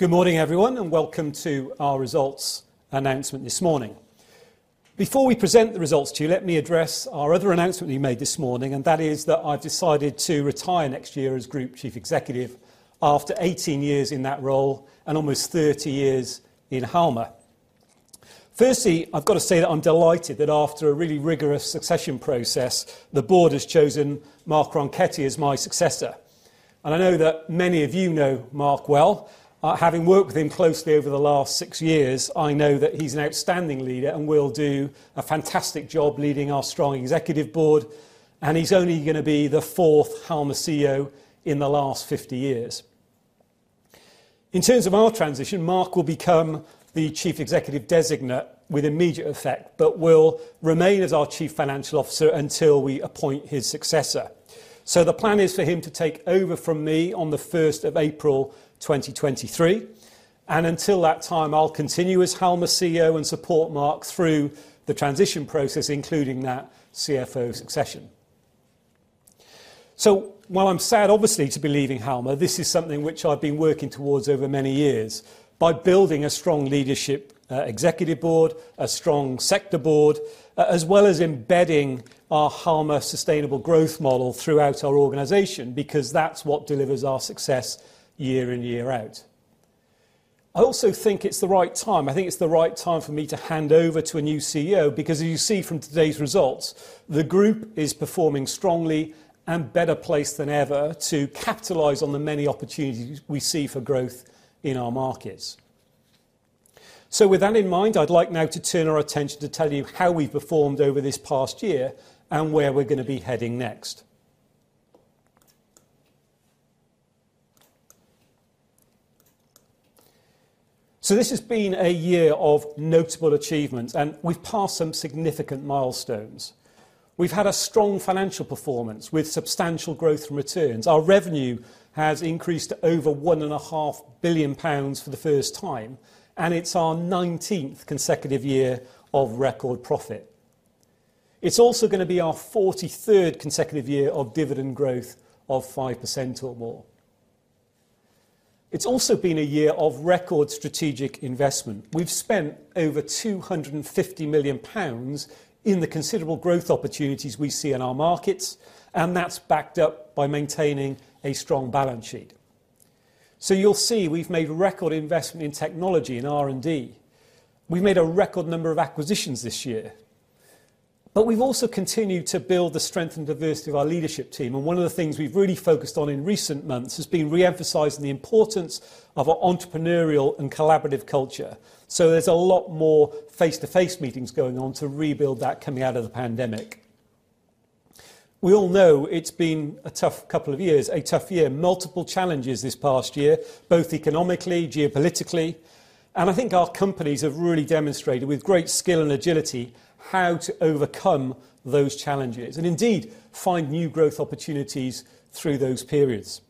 Good morning everyone, and welcome to our results announcement this morning. Before we present the results to you, let me address our other announcement we made this morning, and that is that I've decided to retire next year as Group Chief Executive after 18 years in that role and almost 30 years in Halma. Firstly, I've got to say that I'm delighted that after a really rigorous succession process, the board has chosen Marc Ronchetti as my successor. I know that many of you know Marc well. Having worked with him closely over the last 6 years, I know that he's an outstanding leader and will do a fantastic job leading our strong executive board, and he's only gonna be the fourth Halma's CEO in the last 50 years. In terms of our transition, Marc will become the Chief Executive Designate with immediate effect, but will remain as our Chief Financial Officer until we appoint his successor. The plan is for him to take over from me on the first of April, 2023. Until that time, I'll continue as Halma's CEO and support Marc through the transition process, including that CFO succession. While I'm sad obviously to be leaving Halma, this is something which I've been working towards over many years by building a strong leadership, executive board, a strong sector board, as well as embedding our Halma Sustainable Growth Model throughout our organization because that's what delivers our success year-in, year-out. I also think it's the right time. I think it's the right time for me to hand over to a new CEO because as you see from today's results, the group is performing strongly and better placed than ever to capitalize on the many opportunities we see for growth in our markets. With that in mind, I'd like now to turn our attention to tell you how we performed over this past year and where we're gonna be heading next. This has been a year of notable achievements, and we've passed some significant milestones. We've had a strong financial performance with substantial growth and returns. Our revenue has increased to over 1.5 billion pounds for the first time, and it's our nineteenth consecutive year of record profit. It's also gonna be our 43rd consecutive year of dividend growth of 5% or more. It's also been a year of record strategic investment. We've spent over 250 million pounds in the considerable growth opportunities we see in our markets, and that's backed up by maintaining a strong balance sheet. You'll see we've made record investment in technology and R&D. We made a record number of acquisitions this year. We've also continued to build the strength and diversity of our leadership team, and one of the things we've really focused on in recent months has been re-emphasizing the importance of our entrepreneurial and collaborative culture. There's a lot more face-to-face meetings going on to rebuild that coming out of the pandemic. We all know it's been a tough couple of years, a tough year. Multiple challenges this past year, both economically, geopolitically, and I think our companies have really demonstrated with great skill and agility how to overcome those challenges and indeed find new growth opportunities through those periods.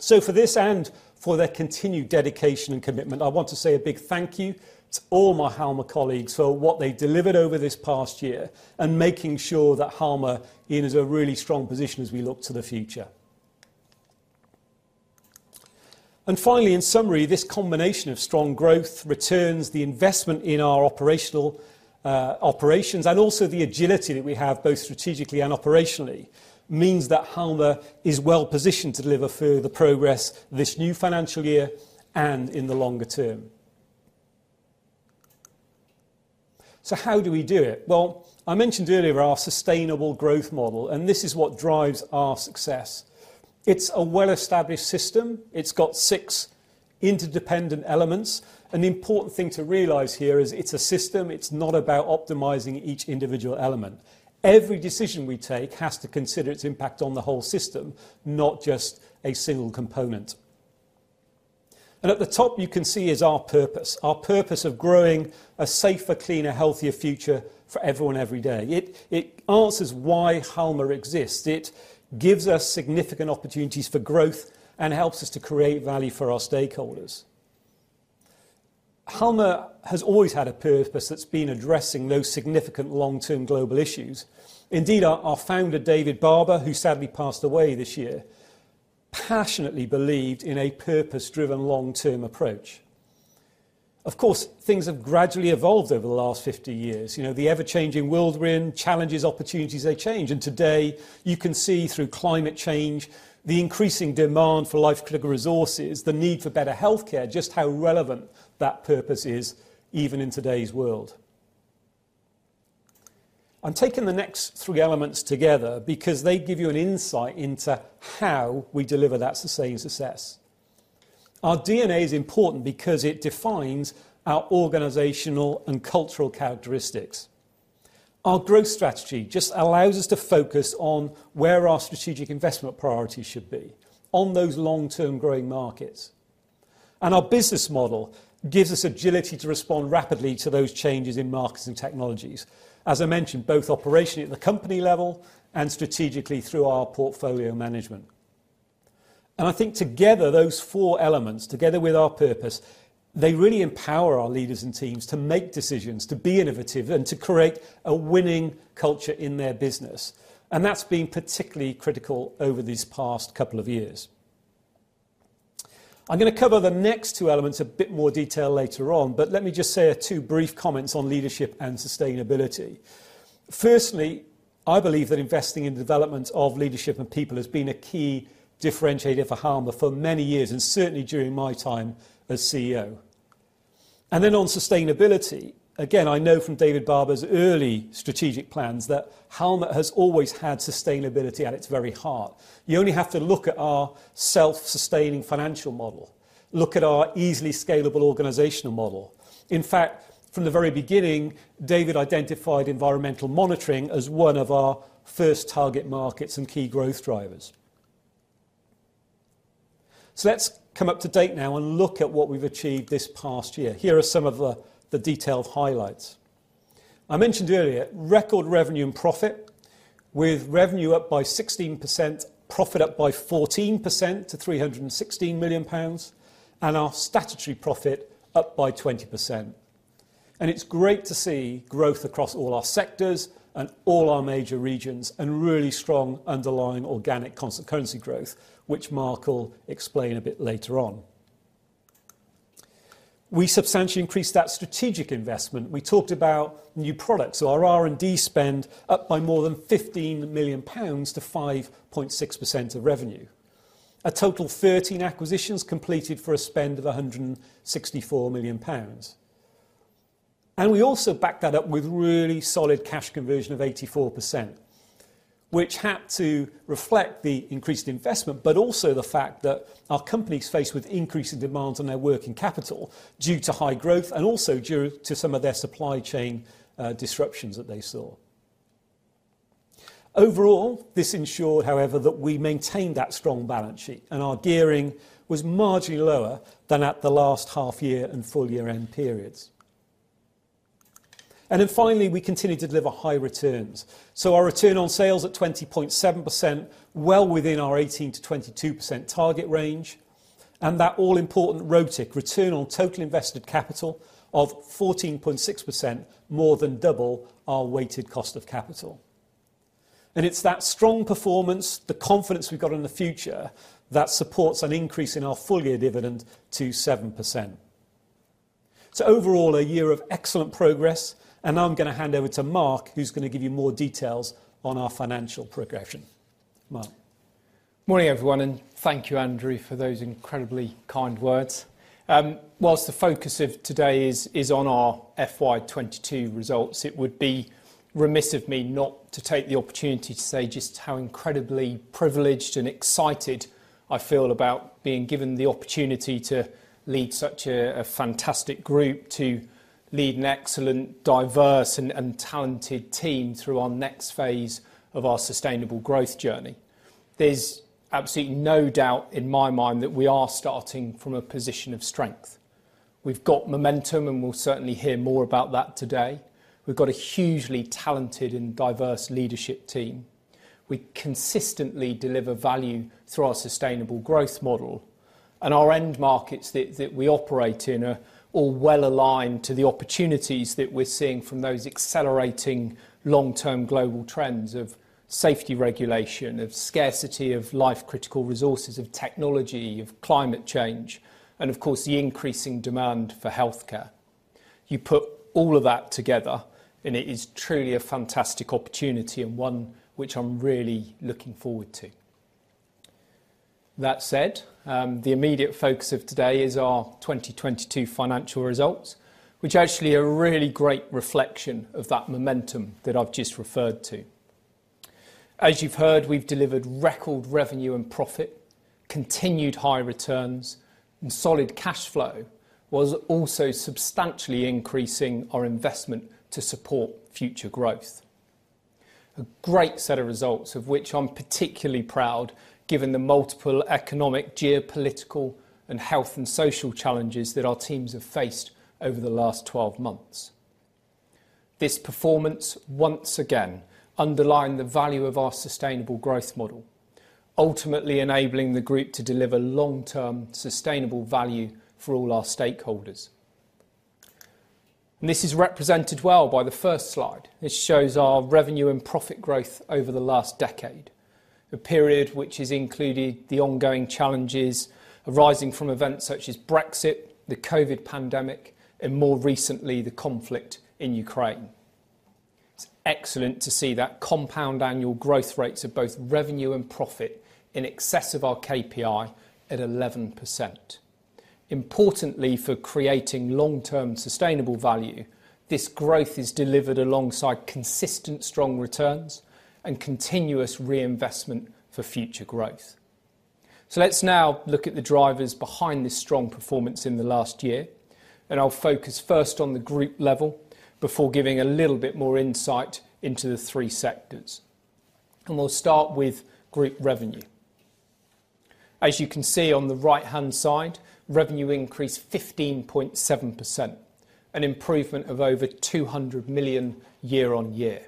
For this and for their continued dedication and commitment, I want to say a big thank you to all my Halma colleagues for what they delivered over this past year and making sure that Halma is in a really strong position as we look to the future. Finally, in summary, this combination of strong growth, returns, the investment in our operational operations, and also the agility that we have both strategically and operationally, means that Halma is well-positioned to deliver further progress this new financial year and in the longer term. How do we do it? Well, I mentioned earlier our Sustainable Growth Model, and this is what drives our success. It's a well-established system. It's got six interdependent elements, and the important thing to realize here is it's a system. It's not about optimizing each individual element. Every decision we take has to consider its impact on the whole system, not just a single component. At the top you can see is our purpose, our purpose of growing a safer, cleaner, healthier future for everyone, every day. It answers why Halma exists. It gives us significant opportunities for growth and helps us to create value for our stakeholders. Halma has always had a purpose that's been addressing those significant long-term global issues. Indeed, our founder, David Barber, who sadly passed away this year, passionately believed in a purpose-driven long-term approach. Of course, things have gradually evolved over the last 50 years. You know, the ever-changing whirlwind, challenges, opportunities, they change. Today, you can see through climate change, the increasing demand for life critical resources, the need for better healthcare, just how relevant that purpose is even in today's world. I'm taking the next three elements together because they give you an insight into how we deliver that sustained success. Our DNA is important because it defines our organizational and cultural characteristics. Our growth strategy just allows us to focus on where our strategic investment priorities should be on those long-term growing markets. Our business model gives us agility to respond rapidly to those changes in markets and technologies, as I mentioned, both operationally at the company level and strategically through our portfolio management. I think together, those four elements, together with our purpose, they really empower our leaders and teams to make decisions, to be innovative, and to create a winning culture in their business. That's been particularly critical over these past couple of years. I'm gonna cover the next two elements in a bit more detail later on, but let me just say two brief comments on leadership and sustainability. Firstly, I believe that investing in development of leadership and people has been a key differentiator for Halma for many years, and certainly, during my time as CEO. Then on sustainability, again, I know from David Barber's early strategic plans that Halma has always had sustainability at its very heart. You only have to look at our self-sustaining financial model. Look at our easily scalable organizational model. In fact, from the very beginning, David identified environmental monitoring as one of our first target markets and key growth drivers. Let's come up to date now and look at what we've achieved this past year. Here are some of the detailed highlights. I mentioned earlier, record revenue and profit, with revenue up by 16%, profit up by 14% to 316 million pounds, and our statutory profit up by 20%. It's great to see growth across all our sectors and all our major regions and really strong underlying organic constant currency growth, which Marc will explain a bit later on. We substantially increased that strategic investment. We talked about new products. Our R&D spend up by more than 15 million pounds to 5.6% of revenue. A total of 13 acquisitions completed for a spend of 164 million pounds. We also backed that up with really solid cash conversion of 84%, which had to reflect the increased investment, but also the fact that our companies faced with increasing demands on their working capital due to high growth and also due to some of their supply chain disruptions that they saw. Overall, this ensured, however, that we maintained that strong balance sheet, and our gearing was marginally lower than at the last half year and full year-end periods. Finally, we continued to deliver high returns. Our return on sales at 20.7%, well within our 18%-22% target range. That all-important ROTIC, return on total invested capital, of 14.6%, more than double our weighted cost of capital. It's that strong performance, the confidence we've got in the future, that supports an increase in our full-year dividend to 7%. Overall, a year of excellent progress, and now I'm gonna hand over to Marc, who's gonna give you more details on our financial progression. Marc. Morning, everyone, and thank you, Andrew, for those incredibly kind words. While the focus of today is on our FY22 results, it would be remiss of me not to take the opportunity to say just how incredibly privileged and excited I feel about being given the opportunity to lead such a fantastic group, to lead an excellent, diverse, and talented team through our next phase of our sustainable growth journey. There's absolutely no doubt in my mind that we are starting from a position of strength. We've got momentum, and we'll certainly hear more about that today. We've got a hugely talented and diverse leadership team. We consistently deliver value through our Sustainable Growth Model. Our end markets that we operate in are all well-aligned to the opportunities that we're seeing from those accelerating long-term global trends of safety regulation, of scarcity of life-critical resources, of technology, of climate change, and of course, the increasing demand for healthcare. You put all of that together, and it is truly a fantastic opportunity and one which I'm really looking forward to. That said, the immediate focus of today is our 2022 financial results, which actually are a really great reflection of that momentum that I've just referred to. As you've heard, we've delivered record revenue and profit, continued high returns, and solid cash flow while also substantially increasing our investment to support future growth. A great set of results of which I'm particularly proud given the multiple economic, geopolitical, health, and social challenges that our teams have faced over the last 12 months. This performance once again underlined the value of our Sustainable Growth Model, ultimately enabling the group to deliver long-term sustainable value for all our stakeholders. This is represented well by the first slide. This shows our revenue and profit growth over the last decade. A period which has included the ongoing challenges arising from events such as Brexit, the COVID pandemic, and more recently, the conflict in Ukraine. It's excellent to see that compound annual growth rates of both revenue and profit in excess of our KPI at 11%. Importantly, for creating long-term sustainable value, this growth is delivered alongside consistent strong returns and continuous reinvestment for future growth. Let's now look at the drivers behind this strong performance in the last year, and I'll focus first on the group level before giving a little bit more insight into the three sectors. We'll start with group revenue. As you can see on the right-hand side, revenue increased 15.7%, an improvement of over 200 million year-on-year.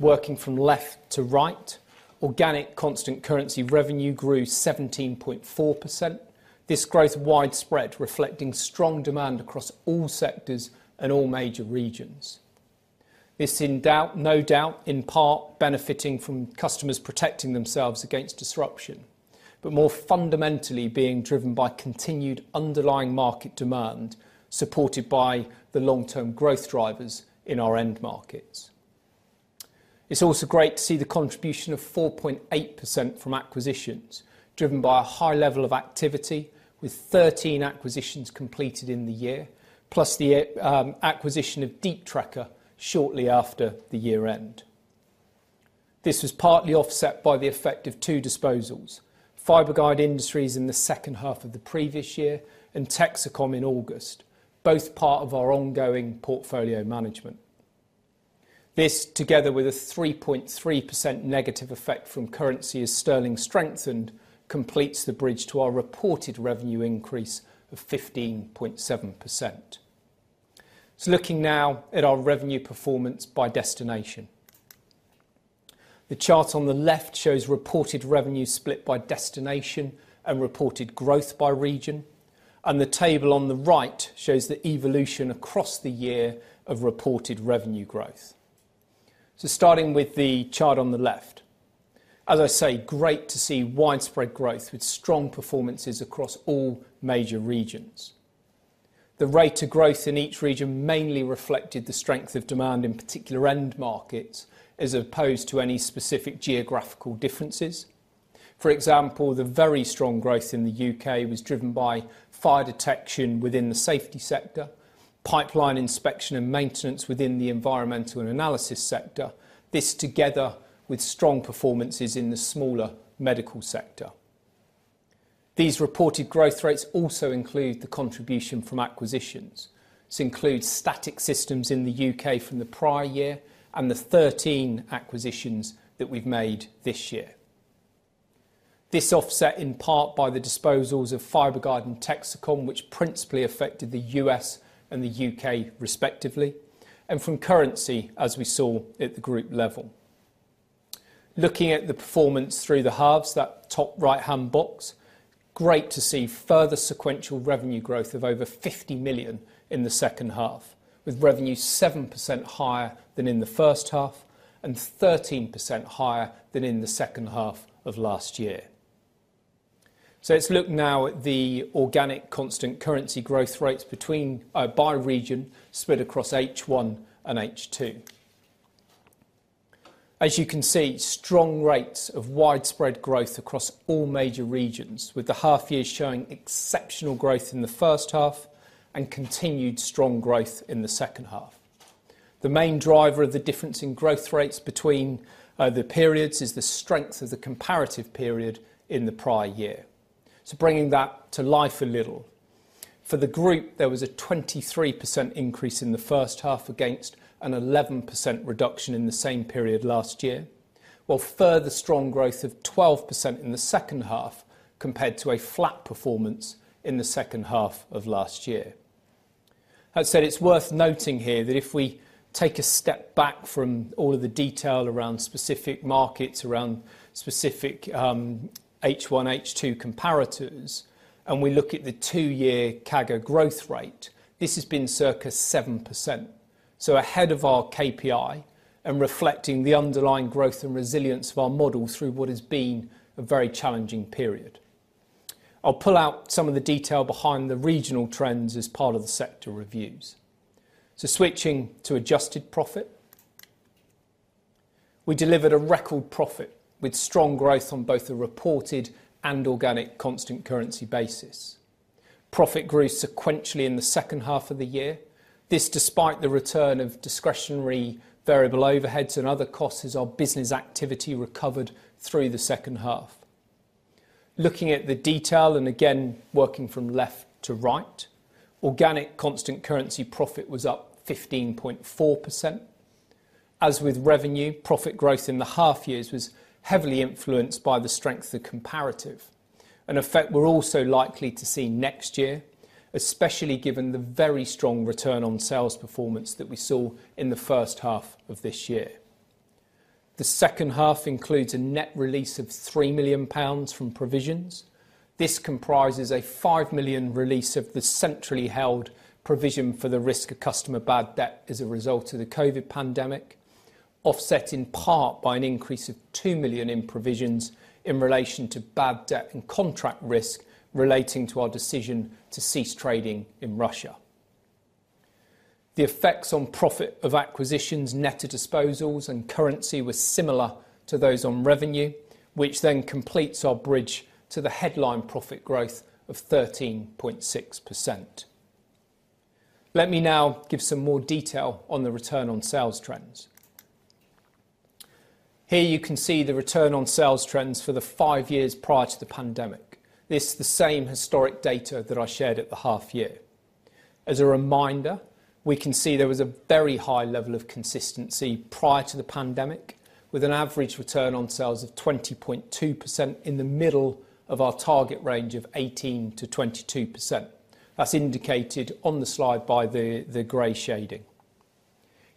Working from left to right, organic constant currency revenue grew 17.4%. This growth widespread, reflecting strong demand across all sectors and all major regions. This no doubt, in part benefiting from customers protecting themselves against disruption, but more fundamentally being driven by continued underlying market demand, supported by the long-term growth drivers in our end markets. It's also great to see the contribution of 4.8% from acquisitions driven by a high level of activity with 13 acquisitions completed in the year, plus the acquisition of Deep Trekker Inc. shortly after the year-end. This was partly offset by the effect of two disposals, Fiberguide Industries, Inc. in the second half of the previous year and Texecom in August, both part of our ongoing portfolio management. This, together with a 3.3% negative effect from currency as sterling strengthened, completes the bridge to our reported revenue increase of 15.7%. Looking now at our revenue performance by destination. The chart on the left shows reported revenue split by destination and reported growth by region, and the table on the right shows the evolution across the year of reported revenue growth. Starting with the chart on the left, as I say, great to see widespread growth with strong performances across all major regions. The rate of growth in each region mainly reflected the strength of demand in particular end markets, as opposed to any specific geographical differences. For example, the very strong growth in the U.K. was driven by fire detection within the safety sector, pipeline inspection and maintenance within the Environmental & Analysis sector. This together with strong performances in the smaller medical sector. These reported growth rates also include the contribution from acquisitions. This includes Static Systems Group in the U.K. from the prior year and the 13 acquisitions that we've made this year. This offset in part by the disposals of Fiberguide and Texecom, which principally affected the U.S. and the U.K. respectively, and from currency, as we saw at the group level. Looking at the performance through the halves, that top right-hand box, great to see further sequential revenue growth of over 50 million in the second half, with revenue 7% higher than in the first half and 13% higher than in the second half of last year. Let's look now at the organic constant currency growth rates between, by region spread across H1 and H2. As you can see, strong rates of widespread growth across all major regions, with the half years showing exceptional growth in the first half and continued strong growth in the second half. The main driver of the difference in growth rates between, the periods is the strength of the comparative period in the prior year. Bringing that to life a little. For the group, there was a 23% increase in the first half against an 11% reduction in the same period last year, while further strong growth of 12% in the second half compared to a flat performance in the second half of last year. That said, it's worth noting here that if we take a step back from all of the detail around specific markets, around specific, H1, H2 comparators, and we look at the two-year CAGR growth rate, this has been circa 7%. Ahead of our KPI and reflecting the underlying growth and resilience of our model through what has been a very challenging period. I'll pull out some of the detail behind the regional trends as part of the sector reviews. Switching to adjusted profit. We delivered a record profit with strong growth on both the reported and organic constant currency basis. Profit grew sequentially in the second half of the year. This despite the return of discretionary variable overheads and other costs as our business activity recovered through the second half. Looking at the detail and again working from left to right, organic constant currency profit was up 15.4%. As with revenue, profit growth in the half years was heavily influenced by the strength of comparative, an effect we're also likely to see next year, especially given the very strong return on sales performance that we saw in the first half of this year. The second half includes a net release of 3 million pounds from provisions. This comprises a 5 million release of the centrally held provision for the risk of customer bad debt as a result of the COVID pandemic, offset in part by an increase of 2 million in provisions in relation to bad debt and contract risk relating to our decision to cease trading in Russia. The effects on profit of acquisitions, net of disposals and currency was similar to those on revenue, which then completes our bridge to the headline profit growth of 13.6%. Let me now give some more detail on the return on sales trends. Here you can see the return on sales trends for the 5 years prior to the pandemic. This is the same historic data that I shared at the half year. As a reminder, we can see there was a very high level of consistency prior to the pandemic. With an average return on sales of 20.2% in the middle of our target range of 18%-22%. That's indicated on the slide by the gray shading.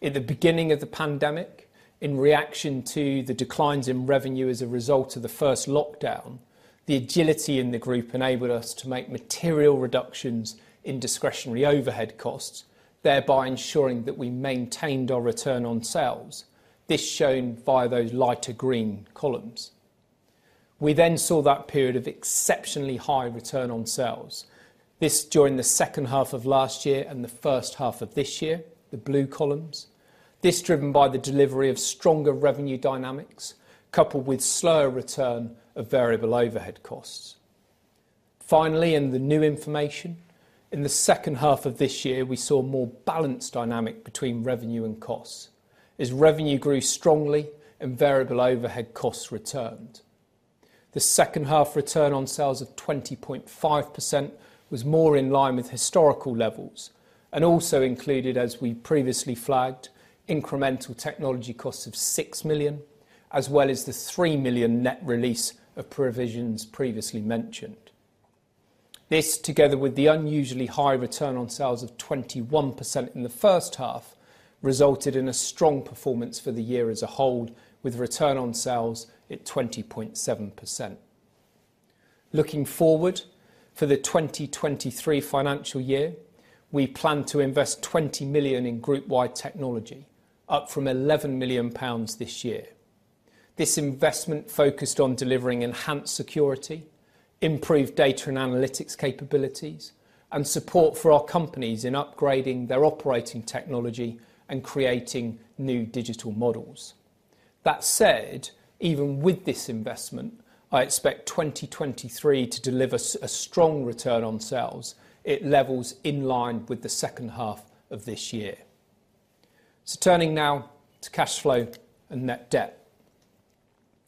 In the beginning of the pandemic, in reaction to the declines in revenue as a result of the first lockdown, the agility in the group enabled us to make material reductions in discretionary overhead costs, thereby ensuring that we maintained our return on sales. This shown via those lighter green columns. We then saw that period of exceptionally high return on sales. This during the second half of last year and the first half of this year, the blue columns. This driven by the delivery of stronger revenue dynamics, coupled with slower return of variable overhead costs. Finally, in the new information, in the second half of this year, we saw a more balanced dynamic between revenue and costs as revenue grew strongly and variable overhead costs returned. The second half return on sales of 20.5% was more in line with historical levels and also included, as we previously flagged, incremental technology costs of 6 million, as well as the 3 million net release of provisions previously mentioned. This, together with the unusually high return on sales of 21% in the first half, resulted in a strong performance for the year as a whole, with return on sales at 20.7%. Looking forward, for the 2023 financial year, we plan to invest 20 million in group-wide technology, up from 11 million pounds this year. This investment focused on delivering enhanced security, improved data and analytics capabilities, and support for our companies in upgrading their operating technology and creating new digital models. That said, even with this investment, I expect 2023 to deliver a strong return on sales at levels in line with the second half of this year. Turning now to cash flow and net debt.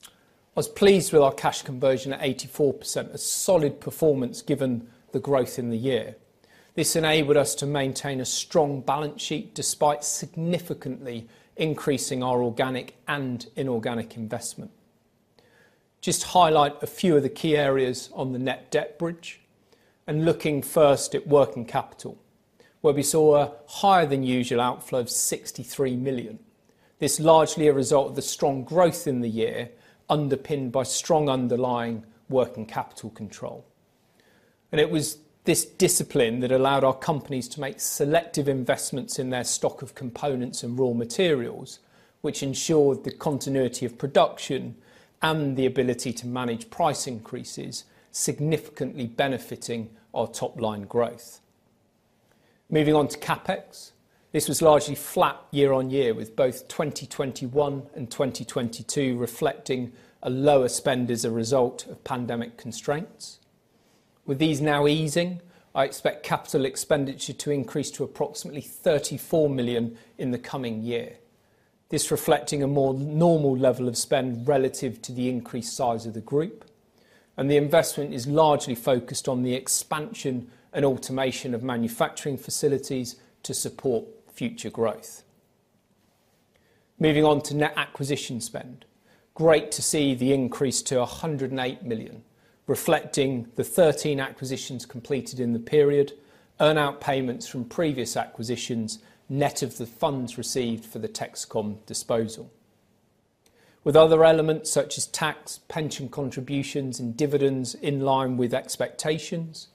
I was pleased with our cash conversion at 84%, a solid performance given the growth in the year. This enabled us to maintain a strong balance sheet despite significantly increasing our organic and inorganic investment. Just to highlight a few of the key areas on the net debt bridge, and looking first at working capital, where we saw a higher than usual outflow of 63 million. This was largely a result of the strong growth in the year, underpinned by strong underlying working capital control. It was this discipline that allowed our companies to make selective investments in their stock of components and raw materials, which ensured the continuity of production and the ability to manage price increases, significantly benefiting our top-line growth. Moving on to CapEx. This was largely flat year on year, with both 2021 and 2022 reflecting a lower spend as a result of pandemic constraints. With these now easing, I expect capital expenditure to increase to approximately 34 million in the coming year. This reflecting a more normal level of spend relative to the increased size of the group. The investment is largely focused on the expansion and automation of manufacturing facilities to support future growth. Moving on to net acquisition spend. Great to see the increase to 108 million, reflecting the 13 acquisitions completed in the period, earn-out payments from previous acquisitions, net of the funds received for the Texecom disposal. With other elements such as tax, pension contributions, and dividends in line with expectations,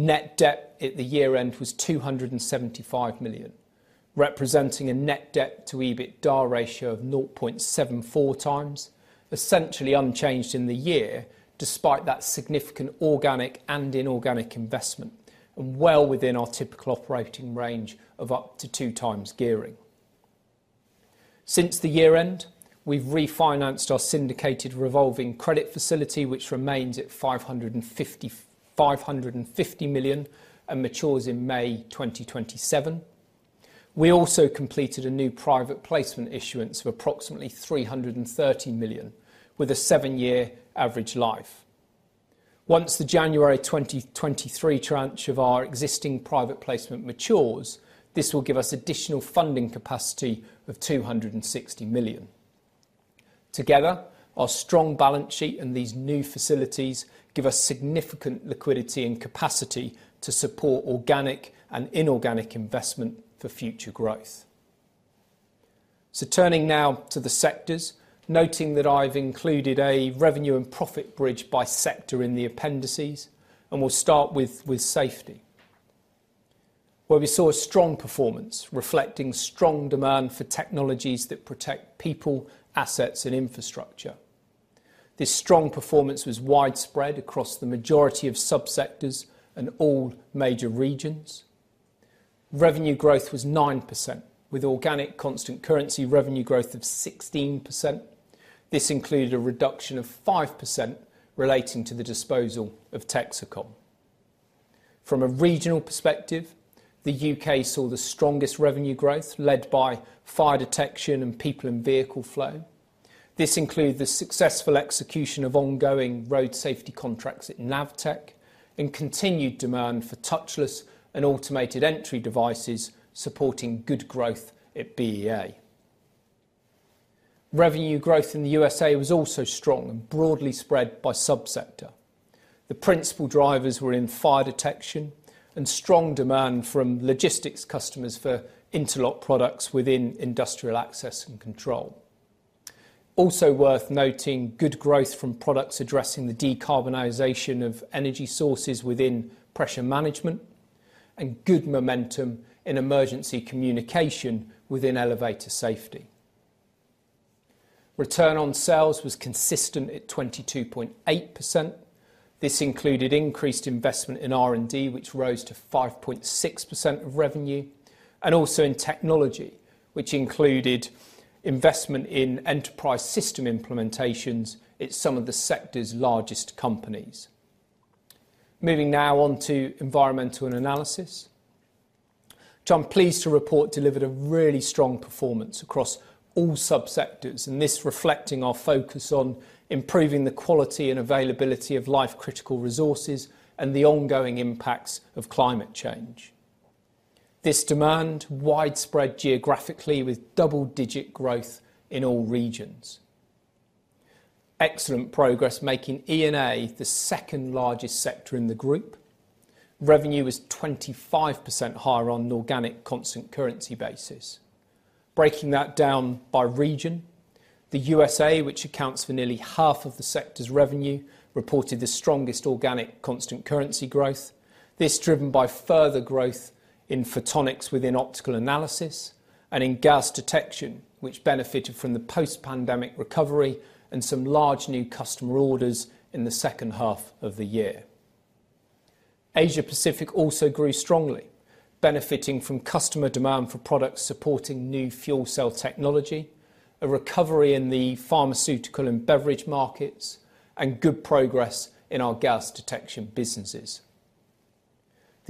net debt at the year-end was 275 million, representing a net debt to EBITDA ratio of 0.74 times, essentially unchanged in the year despite that significant organic and inorganic investment, and well within our typical operating range of up to 2 times gearing. Since the year-end, we've refinanced our syndicated revolving credit facility, which remains at 550 million and matures in May 2027. We also completed a new private placement issuance of approximately 330 million, with a 7-year average life. Once the January 2023 tranche of our existing private placement matures, this will give us additional funding capacity of 260 million. Together, our strong balance sheet and these new facilities give us significant liquidity and capacity to support organic and inorganic investment for future growth. Turning now to the sectors. Noting that I've included a revenue and profit bridge by sector in the appendices, and we'll start with safety, where we saw a strong performance reflecting strong demand for technologies that protect people, assets, and infrastructure. This strong performance was widespread across the majority of subsectors and all major regions. Revenue growth was 9%, with organic constant currency revenue growth of 16%. This included a reduction of 5% relating to the disposal of Texecom. From a regional perspective, the UK saw the strongest revenue growth, led by fire detection and people and vehicle flow. This includes the successful execution of ongoing road safety contracts at Navtech and continued demand for touchless and automated entry devices, supporting good growth at BEA. Revenue growth in the USA was also strong and broadly spread by sub-sector. The principal drivers were in fire detection and strong demand from logistics customers for interlock products within industrial access and control. Also worth noting, good growth from products addressing the decarbonization of energy sources within pressure management and good momentum in emergency communication within elevator safety. Return on sales was consistent at 22.8%. This included increased investment in R&D, which rose to 5.6% of revenue, and also in technology, which included investment in enterprise system implementations at some of the sector's largest companies. Moving now on to Environmental & Analysis, which I'm pleased to report delivered a really strong performance across all sub-sectors and this reflecting our focus on improving the quality and availability of life-critical resources and the ongoing impacts of climate change. This demand was widespread geographically with double-digit growth in all regions. Excellent progress, making E&A the second-largest sector in the group. Revenue was 25% higher on an organic constant currency basis. Breaking that down by region, the USA, which accounts for nearly half of the sector's revenue, reported the strongest organic constant currency growth. This was driven by further growth in photonics within optical analysis and in gas detection, which benefited from the post-pandemic recovery and some large new customer orders in the second half of the year. Asia-Pacific also grew strongly, benefiting from customer demand for products supporting new fuel cell technology, a recovery in the pharmaceutical and beverage markets, and good progress in our gas detection businesses.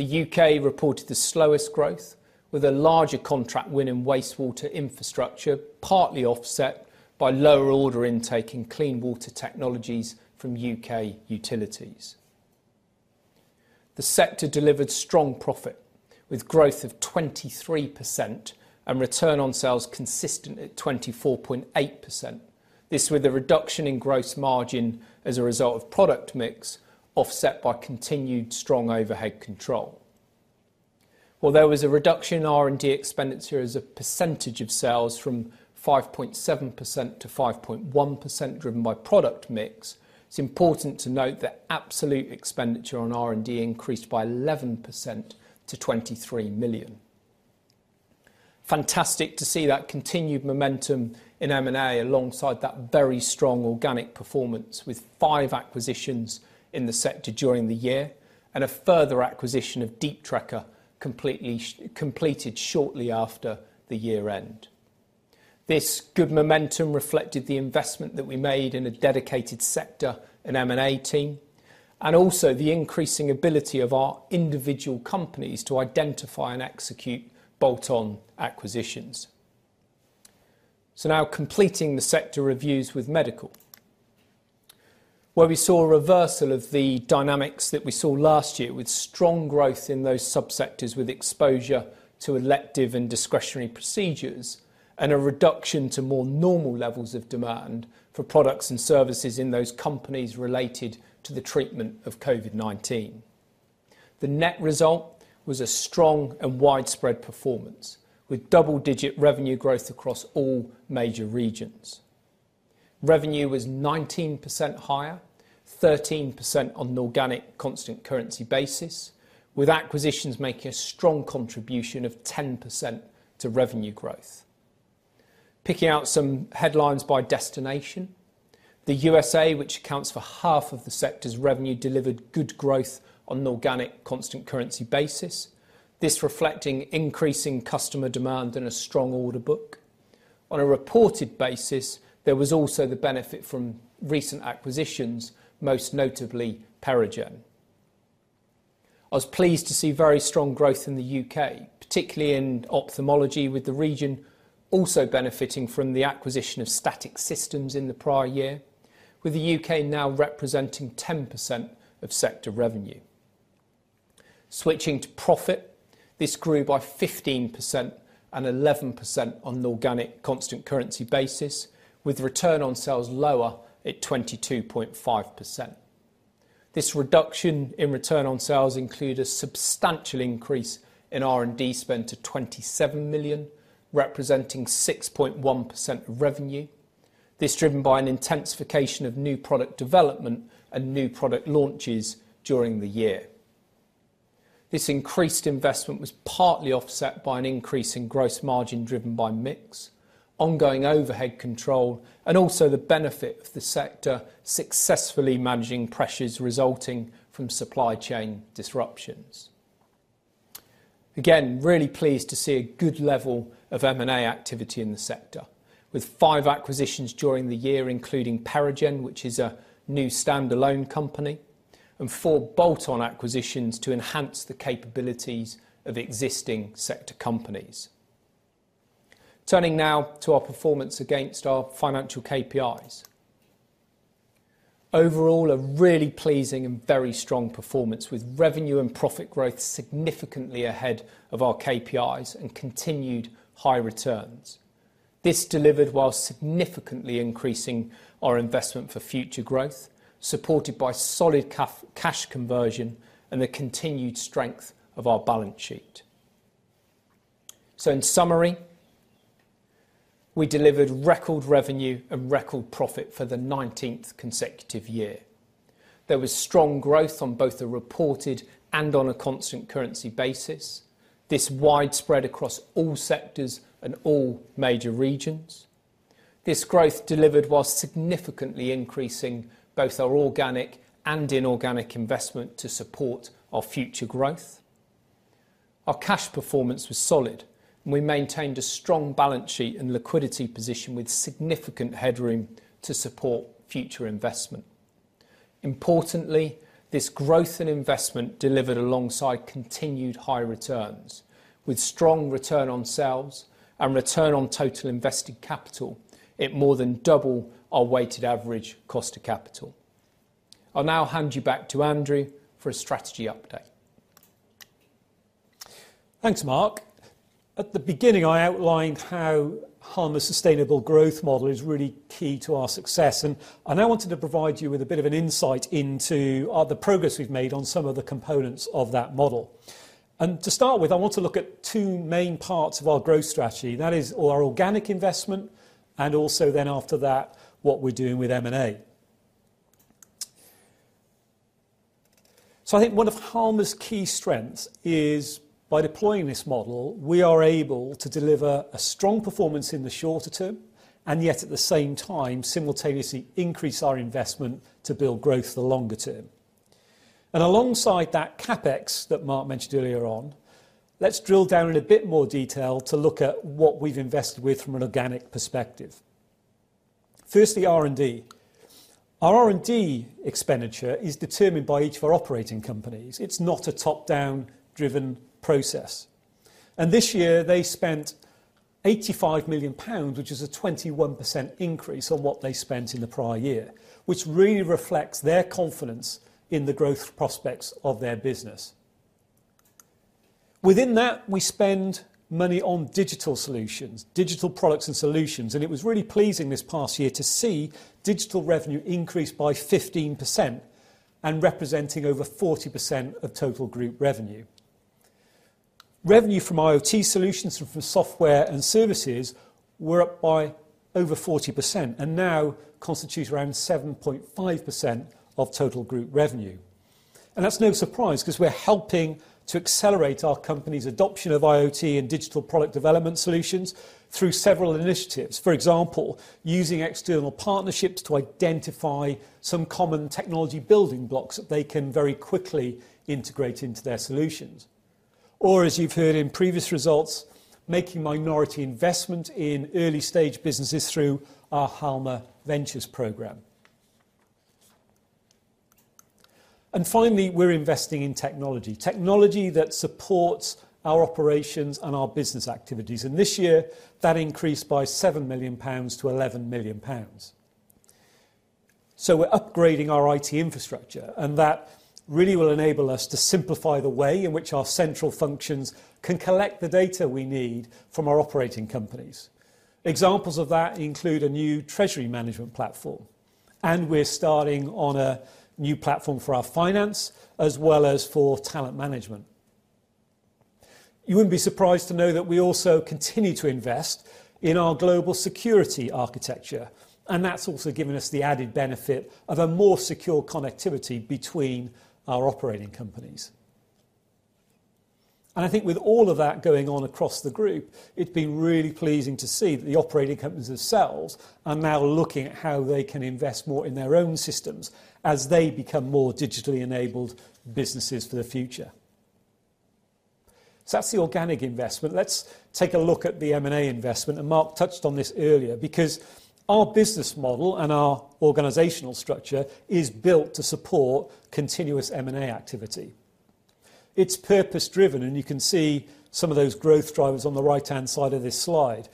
The UK reported the slowest growth with a larger contract win in wastewater infrastructure, partly offset by lower order intake in clean water technologies from UK utilities. The sector delivered strong profit with growth of 23% and return on sales consistent at 24.8%. This with a reduction in gross margin as a result of product mix offset by continued strong overhead control. While there was a reduction in R&D expenditure as a percentage of sales from 5.7% to 5.1% driven by product mix, it's important to note that absolute expenditure on R&D increased by 11% to 23 million. Fantastic to see that continued momentum in M&A alongside that very strong organic performance with five acquisitions in the sector during the year and a further acquisition of Deep Trekker completed shortly after the year end. This good momentum reflected the investment that we made in a dedicated sector in M&A team, and also the increasing ability of our individual companies to identify and execute bolt-on acquisitions. Now completing the sector reviews with Medical, where we saw a reversal of the dynamics that we saw last year with strong growth in those sub-sectors with exposure to elective and discretionary procedures, and a reduction to more normal levels of demand for products and services in those companies related to the treatment of COVID-19. The net result was a strong and widespread performance with double-digit revenue growth across all major regions. Revenue was 19% higher, 13% on an organic constant currency basis, with acquisitions making a strong contribution of 10% to revenue growth. Picking out some headlines by destination, the USA, which accounts for half of the sector's revenue, delivered good growth on an organic constant currency basis. This, reflecting increasing customer demand and a strong order book. On a reported basis, there was also the benefit from recent acquisitions, most notably PeriGen. I was pleased to see very strong growth in the UK, particularly in ophthalmology, with the region also benefiting from the acquisition of Static Systems Group in the prior year, with the UK now representing 10% of sector revenue. Switching to profit, this grew by 15% and 11% on an organic constant currency basis, with return on sales lower at 22.5%. This reduction in return on sales include a substantial increase in R&D spend to 27 million, representing 6.1% of revenue. This driven by an intensification of new product development and new product launches during the year. This increased investment was partly offset by an increase in gross margin driven by mix, ongoing overhead control, and also the benefit of the sector successfully managing pressures resulting from supply chain disruptions. Really pleased to see a good level of M&A activity in the sector with 5 acquisitions during the year, including PeriGen, which is a new standalone company, and 4 bolt-on acquisitions to enhance the capabilities of existing sector companies. Turning now to our performance against our financial KPIs. Overall, a really pleasing and very strong performance with revenue and profit growth significantly ahead of our KPIs and continued high returns. This delivered while significantly increasing our investment for future growth, supported by solid cash conversion and the continued strength of our balance sheet. In summary, we delivered record revenue and record profit for the 19th consecutive year. There was strong growth on both the reported and on a constant currency basis. This was widespread across all sectors and all major regions. This growth delivered while significantly increasing both our organic and inorganic investment to support our future growth. Our cash performance was solid, and we maintained a strong balance sheet and liquidity position with significant headroom to support future investment. Importantly, this growth in investment delivered alongside continued high returns with strong return on sales and return on total invested capital at more than double our weighted average cost of capital. I'll now hand you back to Andrew for a strategy update. Thanks, Marc. At the beginning, I outlined how Halma's Sustainable Growth Model is really key to our success, and I now wanted to provide you with a bit of an insight into the progress we've made on some of the components of that model. To start with, I want to look at two main parts of our growth strategy. That is our organic investment and also then after that, what we're doing with M&A. I think one of Halma's key strengths is by deploying this model, we are able to deliver a strong performance in the shorter term, and yet at the same time simultaneously increase our investment to build growth for the longer term. Alongside that CapEx that Marc mentioned earlier on, let's drill down in a bit more detail to look at what we've invested with from an organic perspective. Firstly, R&D. Our R&D expenditure is determined by each of our operating companies. It's not a top-down driven process. This year they spent 85 million pounds, which is a 21% increase on what they spent in the prior year, which really reflects their confidence in the growth prospects of their business. Within that, we spend money on digital solutions, digital products and solutions, and it was really pleasing this past year to see digital revenue increase by 15% and representing over 40% of total group revenue. Revenue from IoT solutions and from software and services were up by over 40% and now constitute around 7.5% of total group revenue. That's no surprise 'cause we're helping to accelerate our company's adoption of IoT and digital product development solutions through several initiatives. For example, using external partnerships to identify some common technology building blocks that they can very quickly integrate into their solutions. As you've heard in previous results, making minority investment in early-stage businesses through our Halma Ventures program. Finally, we're investing in technology. Technology that supports our operations and our business activities. This year, that increased by 7 million pounds to 11 million pounds. We're upgrading our IT infrastructure, and that really will enable us to simplify the way in which our central functions can collect the data we need from our operating companies. Examples of that include a new treasury management platform, and we're starting on a new platform for our finance as well as for talent management. You wouldn't be surprised to know that we also continue to invest in our global security architecture, and that's also given us the added benefit of a more secure connectivity between our operating companies. I think with all of that going on across the group, it's been really pleasing to see that the operating companies themselves are now looking at how they can invest more in their own systems as they become more digitally enabled businesses for the future. That's the organic investment. Let's take a look at the M&A investment. Marc touched on this earlier because our business model and our organizational structure is built to support continuous M&A activity. It's purpose-driven, and you can see some of those growth drivers on the right-hand side of this slide.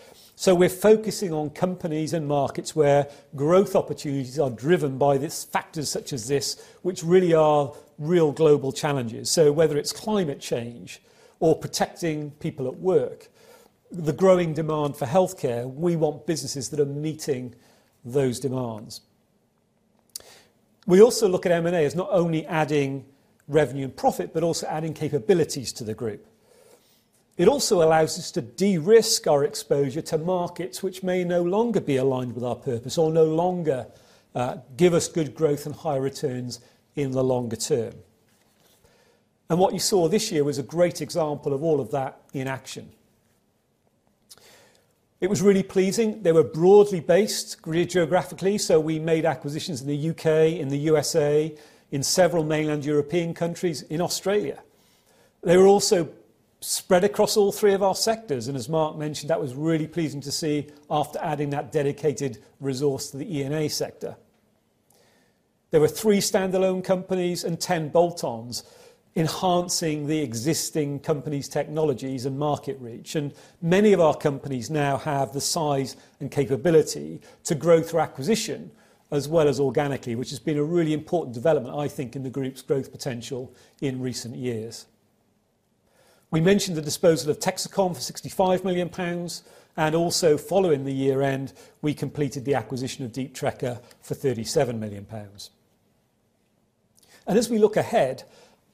We're focusing on companies and markets where growth opportunities are driven by these factors such as these, which really are real global challenges. Whether it's climate change or protecting people at work, the growing demand for healthcare, we want businesses that are meeting those demands. We also look at M&A as not only adding revenue and profit, but also adding capabilities to the group. It also allows us to de-risk our exposure to markets which may no longer be aligned with our purpose or no longer give us good growth and high returns in the longer term. What you saw this year was a great example of all of that in action. It was really pleasing. They were broadly based geographically, so we made acquisitions in the UK, in the USA, in several mainland European countries, in Australia. They were also spread across all three of our sectors, and as Marc mentioned, that was really pleasing to see after adding that dedicated resource to the E&A sector. There were three standalone companies and 10 bolt-ons enhancing the existing company's technologies and market reach. Many of our companies now have the size and capability to grow through acquisition as well as organically, which has been a really important development, I think, in the group's growth potential in recent years. We mentioned the disposal of Texecom for 65 million pounds, and also following the year-end, we completed the acquisition of Deep Trekker for 37 million pounds. As we look ahead,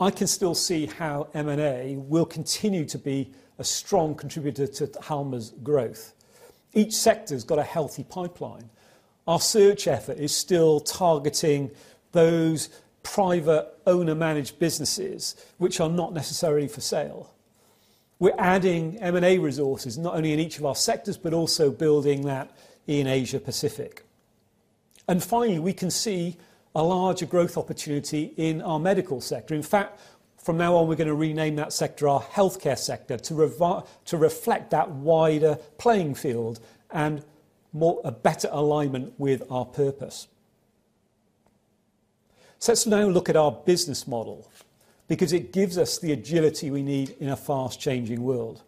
I can still see how M&A will continue to be a strong contributor to Halma's growth. Each sector's got a healthy pipeline. Our search effort is still targeting those private owner-managed businesses which are not necessarily for sale. We're adding M&A resources, not only in each of our sectors, but also building that in Asia-Pacific. Finally, we can see a larger growth opportunity in our medical sector. In fact, from now on, we're gonna rename that sector our healthcare sector to reflect that wider playing field and more a better alignment with our purpose. Let's now look at our business model because it gives us the agility we need in a fast-changing world.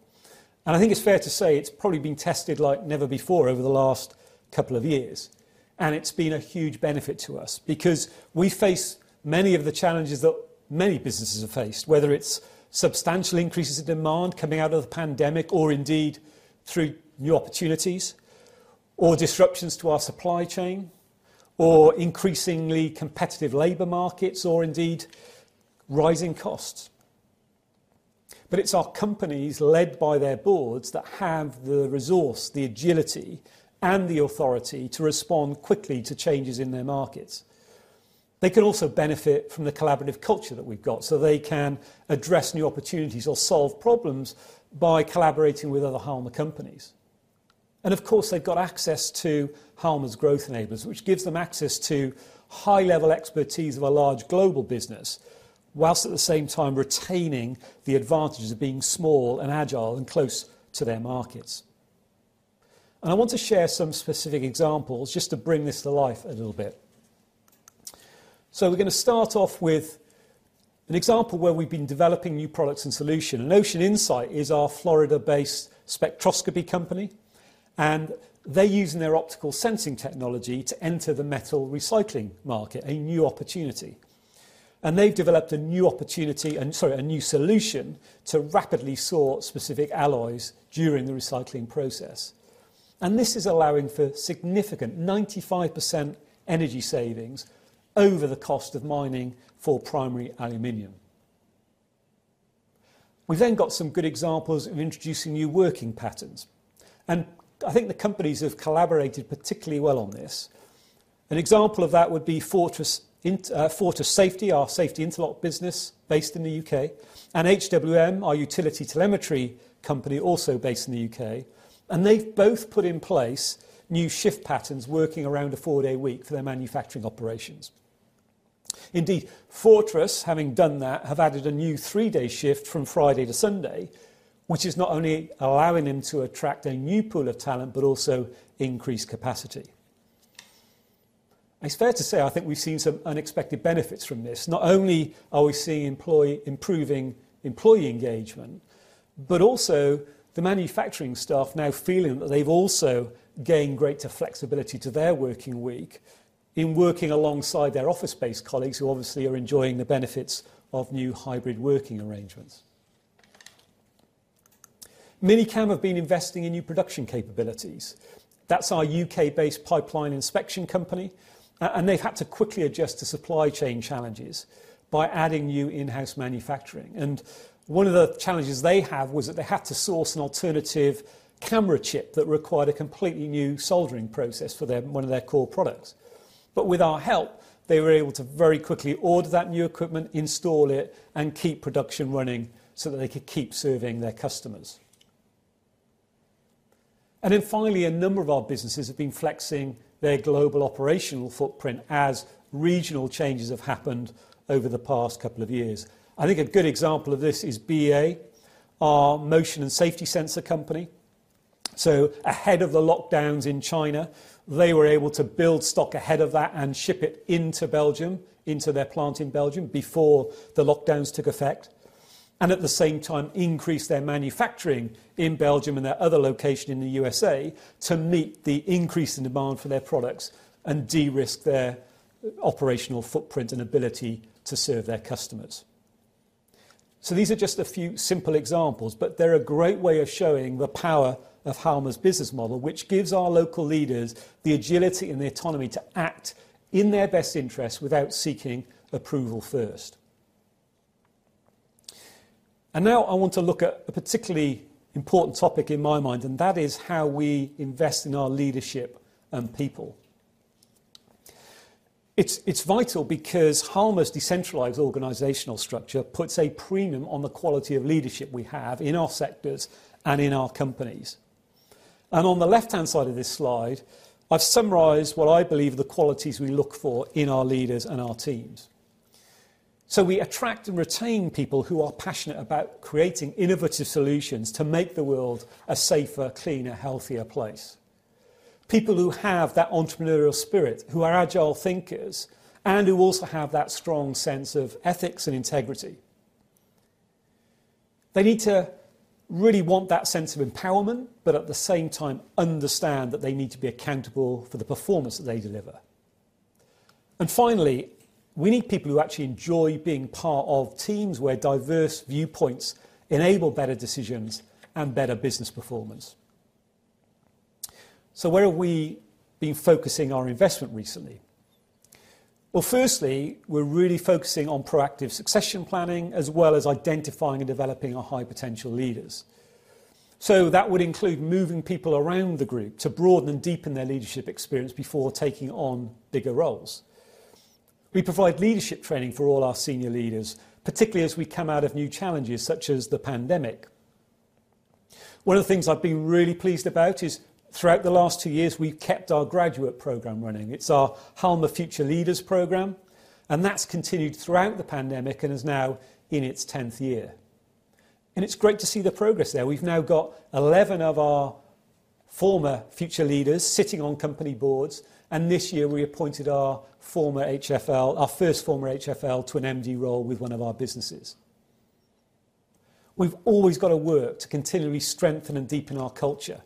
I think it's fair to say it's probably been tested like never before over the last couple of years, and it's been a huge benefit to us. Because we face many of the challenges that many businesses have faced, whether it's substantial increases in demand coming out of the pandemic or indeed through new opportunities or disruptions to our supply chain or increasingly competitive labor markets or indeed rising costs. It's our companies led by their boards that have the resource, the agility, and the authority to respond quickly to changes in their markets. They can also benefit from the collaborative culture that we've got, so they can address new opportunities or solve problems by collaborating with other Halma companies. Of course, they've got access to Halma's growth enablers, which gives them access to high-level expertise of a large global business, while at the same time retaining the advantages of being small and agile and close to their markets. I want to share some specific examples just to bring this to life a little bit. We're gonna start off with an example where we've been developing new products and solution. Ocean Insight is our Florida-based spectroscopy company, and they're using their optical sensing technology to enter the metal recycling market, a new opportunity. They've developed a new solution to rapidly sort specific alloys during the recycling process. This is allowing for significant 95% energy savings over the cost of mining for primary aluminum. We've then got some good examples of introducing new working patterns, and I think the companies have collaborated particularly well on this. An example of that would be Fortress Interlocks, our safety interlock business based in the U.K., and HWM, our utility telemetry company, also based in the U.K. They've both put in place new shift patterns working around a four-day week for their manufacturing operations. Indeed, Fortress Interlocks, having done that, have added a new three-day shift from Friday to Sunday, which is not only allowing them to attract a new pool of talent, but also increase capacity. It's fair to say I think we've seen some unexpected benefits from this. Not only are we seeing improving employee engagement, but also the manufacturing staff now feeling that they've also gained greater flexibility to their working week in working alongside their office-based colleagues who obviously are enjoying the benefits of new hybrid working arrangements. Mini-Cam have been investing in new production capabilities. That's our UK-based pipeline inspection company. They've had to quickly adjust to supply chain challenges by adding new in-house manufacturing. One of the challenges they have was that they had to source an alternative camera chip that required a completely new soldering process for their, one of their core products. With our help, they were able to very quickly order that new equipment, install it, and keep production running so that they could keep serving their customers. Finally, a number of our businesses have been flexing their global operational footprint as regional changes have happened over the past couple of years. I think a good example of this is BEA, our motion and safety sensor company. Ahead of the lockdowns in China, they were able to build stock ahead of that and ship it into Belgium, into their plant in Belgium before the lockdowns took effect, and at the same time increase their manufacturing in Belgium and their other location in the USA to meet the increase in demand for their products and de-risk their operational footprint and ability to serve their customers. These are just a few simple examples, but they're a great way of showing the power of Halma's business model, which gives our local leaders the agility and the autonomy to act in their best interest without seeking approval first. Now I want to look at a particularly important topic in my mind, and that is how we invest in our leadership and people. It's vital because Halma's decentralized organizational structure puts a premium on the quality of leadership we have in our sectors and in our companies. On the left-hand side of this slide, I've summarized what I believe are the qualities we look for in our leaders and our teams. We attract and retain people who are passionate about creating innovative solutions to make the world a safer, cleaner, healthier place. People who have that entrepreneurial spirit, who are agile thinkers, and who also have that strong sense of ethics and integrity. They need to really want that sense of empowerment, but at the same time understand that they need to be accountable for the performance that they deliver. Finally, we need people who actually enjoy being part of teams where diverse viewpoints enable better decisions and better business performance. Where have we been focusing our investment recently? Well, firstly, we're really focusing on proactive succession planning, as well as identifying and developing our high potential leaders. That would include moving people around the group to broaden and deepen their leadership experience before taking on bigger roles. We provide leadership training for all our senior leaders, particularly as we come out of new challenges such as the pandemic. One of the things I've been really pleased about is throughout the last two years, we've kept our graduate program running. It's our Halma Future Leaders program, and that's continued throughout the pandemic and is now in its 10th year. It's great to see the progress there. We've now got 11 of our former future leaders sitting on company boards, and this year we appointed our former HFL, our first former HFL, to an MD role with one of our businesses. We've always got to work to continually strengthen and deepen our culture,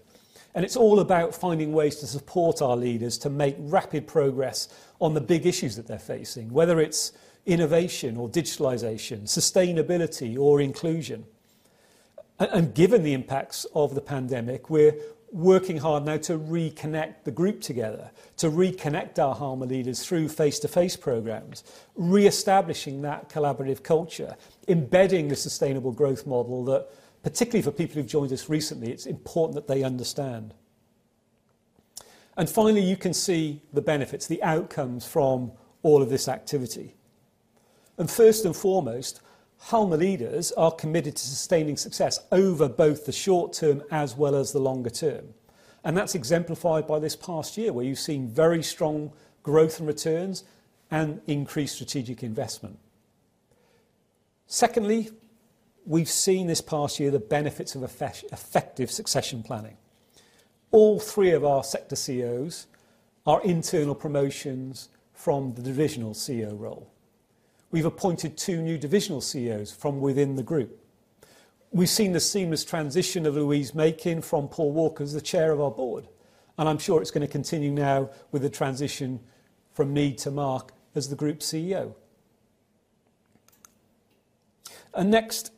and it's all about finding ways to support our leaders to make rapid progress on the big issues that they're facing, whether it's innovation or digitalization, sustainability or inclusion. Given the impacts of the pandemic, we're working hard now to reconnect the group together, to reconnect our Halma leaders through face-to-face programs, reestablishing that collaborative culture, embedding the Sustainable Growth Model that, particularly for people who've joined us recently, it's important that they understand. Finally, you can see the benefits, the outcomes from all of this activity. First and foremost, Halma leaders are committed to sustaining success over both the short term as well as the longer term. That's exemplified by this past year, where you've seen very strong growth in returns and increased strategic investment. Secondly, we've seen this past year the benefits of effective succession planning. All three of our sector CEOs are internal promotions from the divisional CEO role. We've appointed two new divisional CEOs from within the group. We've seen the seamless transition of Louise Makin from Paul Walker as the Chair of our board, and I'm sure it's gonna continue now with the transition from me to Marc as the Group CEO. Next,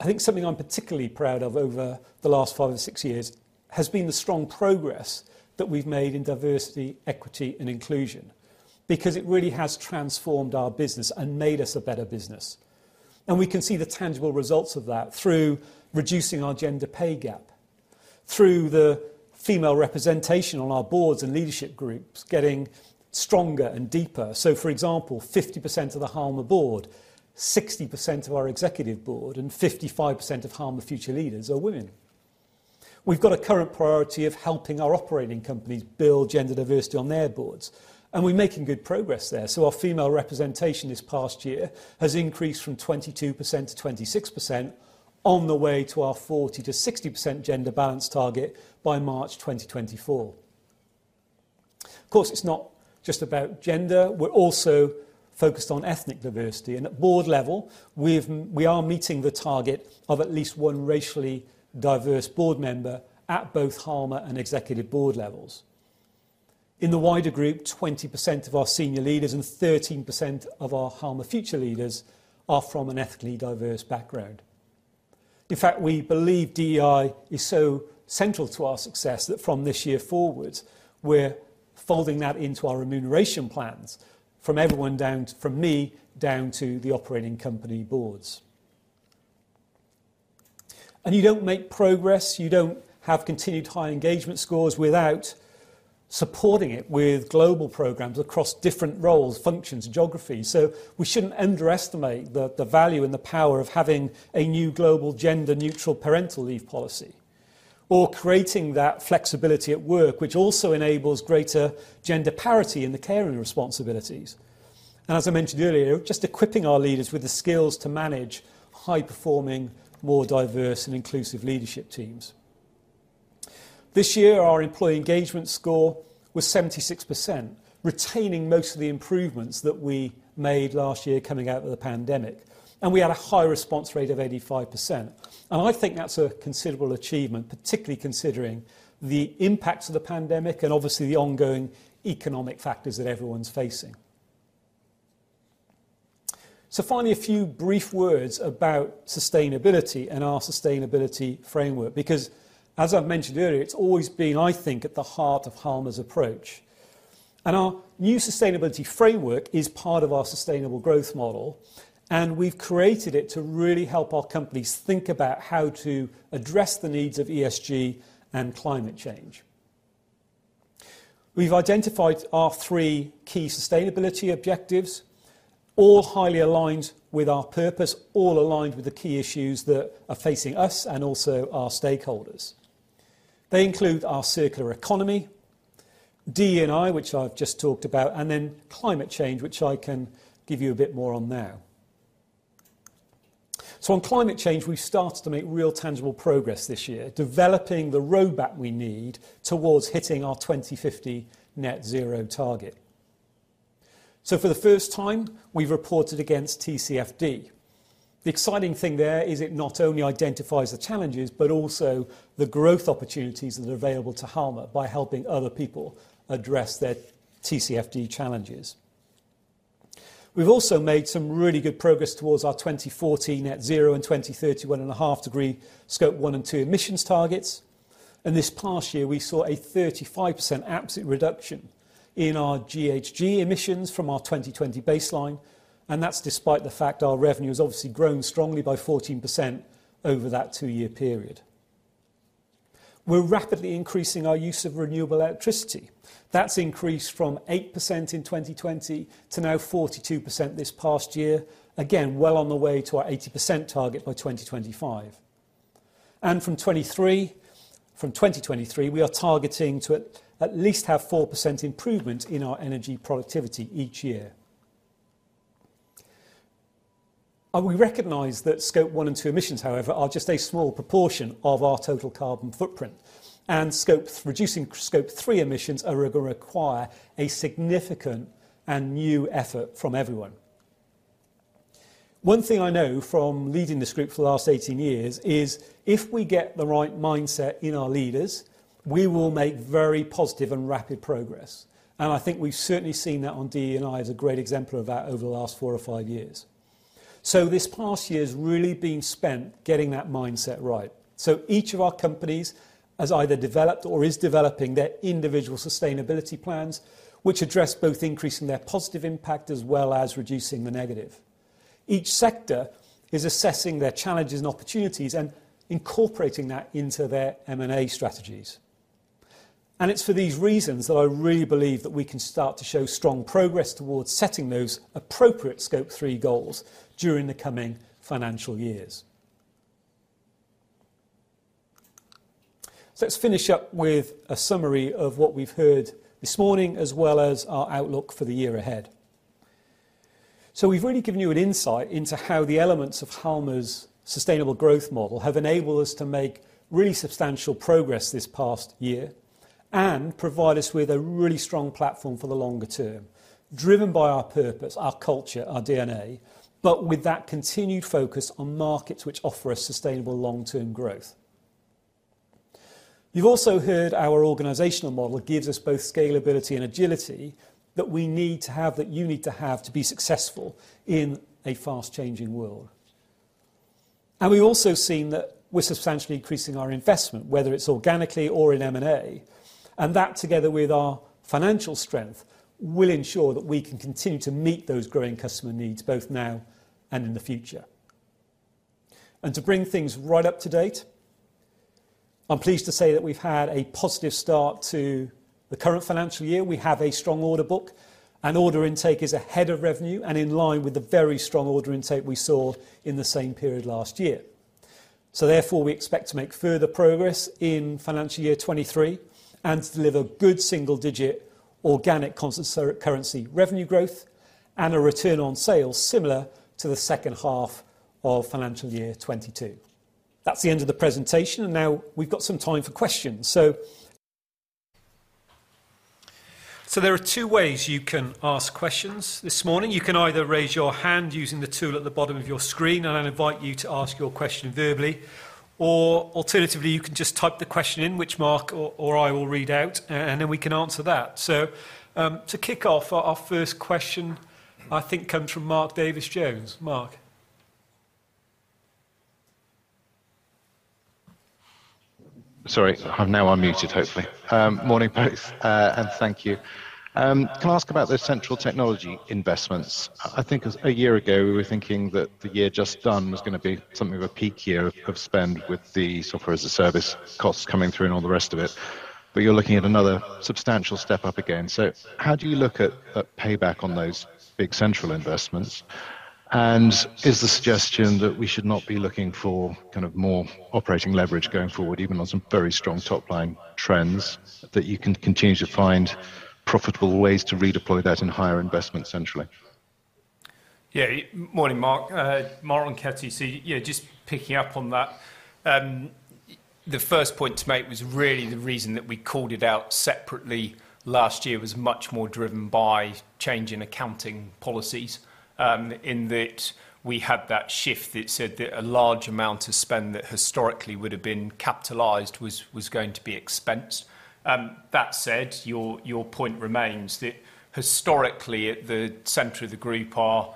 I think something I'm particularly proud of over the last five or six years has been the strong progress that we've made in diversity, equity, and inclusion because it really has transformed our business and made us a better business. We can see the tangible results of that through reducing our gender pay gap, through the female representation on our boards and leadership groups getting stronger and deeper. For example, 50% of the Halma's board, 60% of our executive board, and 55% of Halma Future Leaders are women. We've got a current priority of helping our operating companies build gender diversity on their boards, and we're making good progress there. Our female representation this past year has increased from 22% to 26% on the way to our 40%-60% gender balance target by March 2024. Of course, it's not just about gender. We're also focused on ethnic diversity and at board level, we are meeting the target of at least one racially diverse board member at both Halma and executive board levels. In the wider group, 20% of our senior leaders and 13% of our Halma Future Leaders are from an ethnically diverse background. In fact, we believe DEI is so central to our success that from this year forwards, we're folding that into our remuneration plans from me down to the operating company boards. You don't make progress, you don't have continued high engagement scores without supporting it with global programs across different roles, functions, geographies. We shouldn't underestimate the value and the power of having a new global gender neutral parental leave policy or creating that flexibility at work which also enables greater gender parity in the caring responsibilities. As I mentioned earlier, just equipping our leaders with the skills to manage high-performing, more diverse and inclusive leadership teams. This year, our employee engagement score was 76%, retaining most of the improvements that we made last year coming out of the pandemic, and we had a high response rate of 85%. I think that's a considerable achievement, particularly considering the impacts of the pandemic and obviously the ongoing economic factors that everyone's facing. Finally, a few brief words about sustainability and our sustainability framework because as I've mentioned earlier, it's always been, I think, at the heart of Halma's approach. Our new sustainability framework is part of our sustainable growth model, and we've created it to really help our companies think about how to address the needs of ESG and climate change. We've identified our three key sustainability objectives, all highly aligned with our purpose, all aligned with the key issues that are facing us and also our stakeholders. They include our circular economy, DE&I, which I've just talked about, and then climate change, which I can give you a bit more on now. On climate change, we've started to make real tangible progress this year, developing the roadmap we need towards hitting our 2050 net zero target. For the first time, we've reported against TCFD. The exciting thing there is it not only identifies the challenges, but also the growth opportunities that are available to Halma by helping other people address their TCFD challenges. We've also made some really good progress towards our 2014 net zero and 2030 1.5-degree Scope 1 and 2 emissions targets. In this past year, we saw a 35% absolute reduction in our GHG emissions from our 2020 baseline, and that's despite the fact our revenue has obviously grown strongly by 14% over that two-year period. We're rapidly increasing our use of renewable electricity. That's increased from 8% in 2020 to now 42% this past year. Again, well on the way to our 80% target by 2025. From 2023, we are targeting to at least have 4% improvement in our energy productivity each year. We recognize that Scope 1 and 2 emissions, however, are just a small proportion of our total carbon footprint, and reducing Scope 3 emissions requires a significant and new effort from everyone. One thing I know from leading this group for the last 18 years is if we get the right mindset in our leaders, we will make very positive and rapid progress. I think we've certainly seen that on DE&I as a great exemplar of that over the last four or five years. This past year has really been spent getting that mindset right. Each of our companies has either developed or is developing their individual sustainability plans, which address both increasing their positive impact as well as reducing the negative. Each sector is assessing their challenges and opportunities and incorporating that into their M&A strategies. It's for these reasons that I really believe that we can start to show strong progress towards setting those appropriate Scope 3 goals during the coming financial years. Let's finish up with a summary of what we've heard this morning, as well as our outlook for the year ahead. We've really given you an insight into how the elements of Halma's Sustainable Growth Model have enabled us to make really substantial progress this past year and provide us with a really strong platform for the longer term, driven by our purpose, our culture, our DNA, but with that continued focus on markets which offer us sustainable long-term growth. You've also heard our organizational model gives us both scalability and agility that we need to have, that you need to have to be successful in a fast-changing world. We've also seen that we're substantially increasing our investment, whether it's organically or in M&A. That, together with our financial strength, will ensure that we can continue to meet those growing customer needs both now and in the future. To bring things right up to date, I'm pleased to say that we've had a positive start to the current financial year. We have a strong order book, and order intake is ahead of revenue and in line with the very strong order intake we saw in the same period last year. Therefore, we expect to make further progress in financial year 2023 and to deliver good single-digit organic constant currency revenue growth and a return on sales similar to the second half of financial year 2022. That's the end of the presentation, and now we've got some time for questions. There are two ways you can ask questions this morning. You can either raise your hand using the tool at the bottom of your screen, and I invite you to ask your question verbally. Alternatively, you can just type the question in which Marc Ronchetti or I will read out, and then we can answer that. To kick off, our first question, I think comes from Mark Davies Jones. Mark? Sorry, I'm now unmuted, hopefully. Morning, both, and thank you. Can I ask about those central technology investments? I think a year ago, we were thinking that the year just done was gonna be something of a peak year of spend with the Software as a Service costs coming through and all the rest of it. You're looking at another substantial step up again. How do you look at payback on those big central investments? Is the suggestion that we should not be looking for kind of more operating leverage going forward, even on some very strong top-line trends, that you can continue to find profitable ways to redeploy that in higher investments centrally? Yeah. Morning, Mark. Marc Ronchetti. Yeah, just picking up on that. The first point to make was really the reason that we called it out separately last year was much more driven by change in accounting policies, in that we had that shift that said that a large amount of spend that historically would have been capitalized was going to be expensed. That said, your point remains that historically at the center of the group, our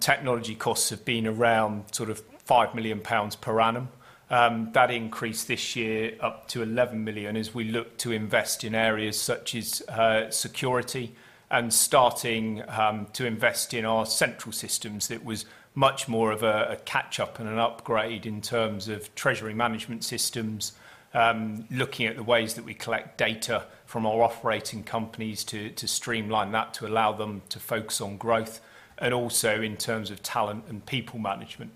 technology costs have been around sort of 5 million pounds per annum. That increased this year up to 11 million as we look to invest in areas such as security and starting to invest in our central systems. It was much more of a catch up and an upgrade in terms of treasury management systems, looking at the ways that we collect data from our operating companies to streamline that to allow them to focus on growth, and also in terms of talent and people management.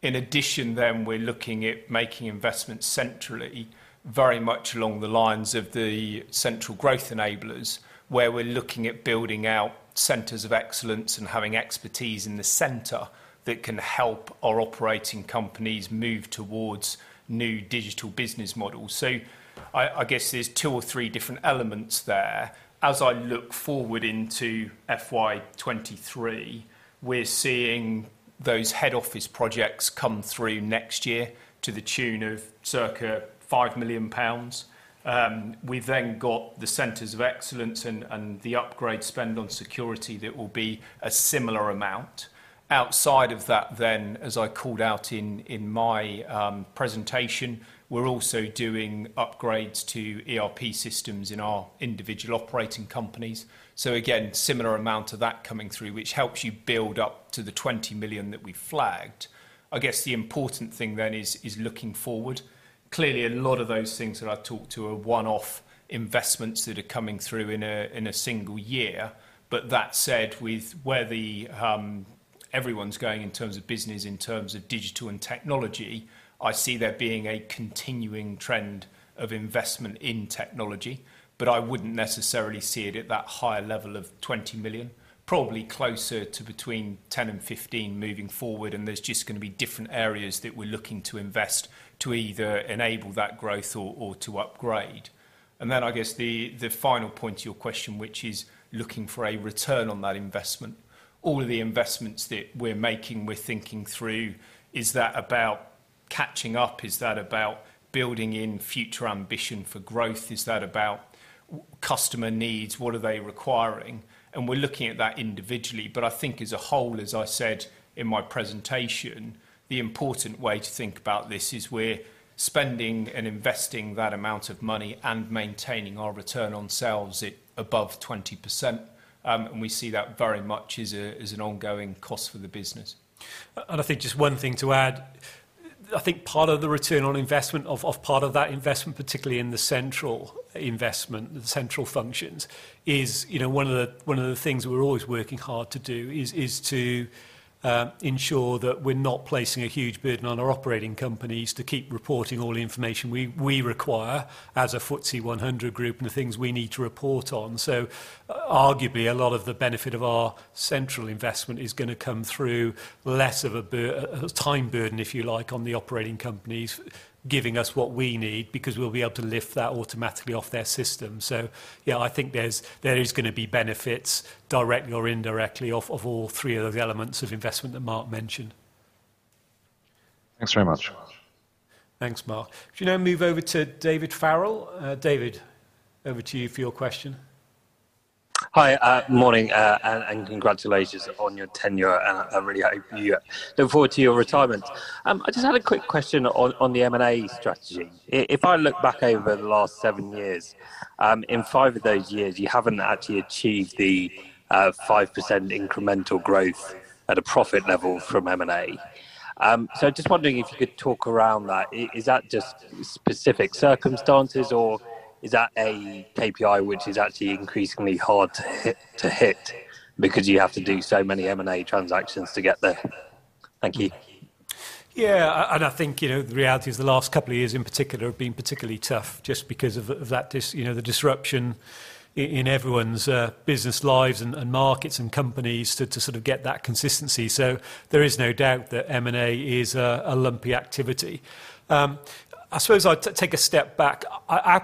In addition, we're looking at making investments centrally, very much along the lines of the central growth enablers, where we're looking at building out centers of excellence and having expertise in the center that can help our operating companies move towards new digital business models. I guess there's two or three different elements there. As I look forward into FY23, we're seeing Those head office projects come through next year to the tune of circa 5 million pounds. We've then got the centers of excellence and the upgrade spend on security that will be a similar amount. Outside of that, as I called out in my presentation, we're also doing upgrades to ERP systems in our individual operating companies. Again, similar amount of that coming through, which helps you build up to the 20 million that we flagged. I guess the important thing is looking forward. Clearly, a lot of those things that I've talked to are one-off investments that are coming through in a single year. That said, with where everyone's going in terms of business, in terms of digital and technology, I see there being a continuing trend of investment in technology. I wouldn't necessarily see it at that higher level of 20 million, probably closer to between 10 million and 15 million moving forward, and there's just gonna be different areas that we're looking to invest to either enable that growth or to upgrade. Then I guess the final point to your question, which is looking for a return on that investment. All of the investments that we're making, we're thinking through, is that about catching up? Is that about building in future ambition for growth? Is that about customer needs? What are they requiring? We're looking at that individually. I think as a whole, as I said in my presentation, the important way to think about this is we're spending and investing that amount of money and maintaining our return on sales at above 20%. We see that very much as an ongoing cost for the business. I think just one thing to add. I think part of the return on investment of part of that investment, particularly in the central investment, the central functions, is, you know, one of the things we're always working hard to do is to ensure that we're not placing a huge burden on our operating companies to keep reporting all the information we require as a FTSE 100 group and the things we need to report on. So arguably, a lot of the benefit of our central investment is gonna come through less of a time burden, if you like, on the operating companies giving us what we need because we'll be able to lift that automatically off their system. Yeah, I think there is gonna be benefits directly or indirectly off of all three of the elements of investment that Marc mentioned. Thanks very much. Thanks, Mark. Should now move over to David Farrell. David, over to you for your question. Hi, morning, and congratulations on your tenure, and I really hope you look forward to your retirement. I just had a quick question on the M&A strategy. If I look back over the last 7 years, in 5 of those years, you haven't actually achieved the 5% incremental growth at a profit level from M&A. Just wondering if you could talk around that. Is that just specific circumstances, or is that a KPI which is actually increasingly hard to hit because you have to do so many M&A transactions to get there? Thank you. Yeah. I think, you know, the reality is the last couple of years in particular have been particularly tough just because of that, you know, the disruption in everyone's business lives and markets and companies to sort of get that consistency. There is no doubt that M&A is a lumpy activity. I suppose I'd take a step back.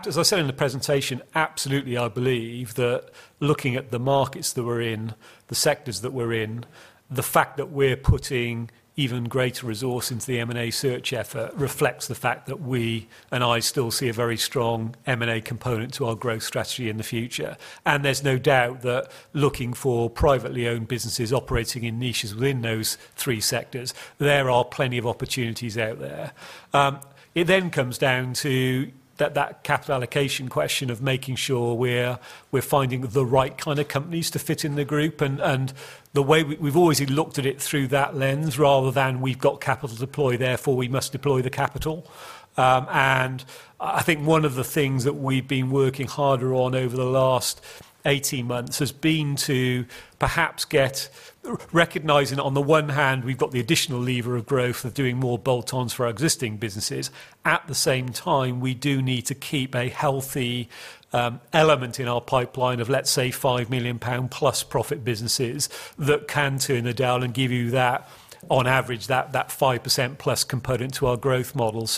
As I said in the presentation, absolutely I believe that looking at the markets that we're in, the sectors that we're in, the fact that we're putting even greater resource into the M&A search effort reflects the fact that we and I still see a very strong M&A component to our growth strategy in the future. There's no doubt that looking for privately owned businesses operating in niches within those three sectors, there are plenty of opportunities out there. It comes down to that capital allocation question of making sure we're finding the right kind of companies to fit in the group. We've always looked at it through that lens rather than we've got capital to deploy, therefore, we must deploy the capital. I think one of the things that we've been working harder on over the last 18 months has been recognizing on the one hand, we've got the additional lever of growth of doing more bolt-ons for our existing businesses. At the same time, we do need to keep a healthy element in our pipeline of, let's say, 5 million pound-plus profit businesses that can turn the dial and give you that on average, that 5%+ component to our growth model.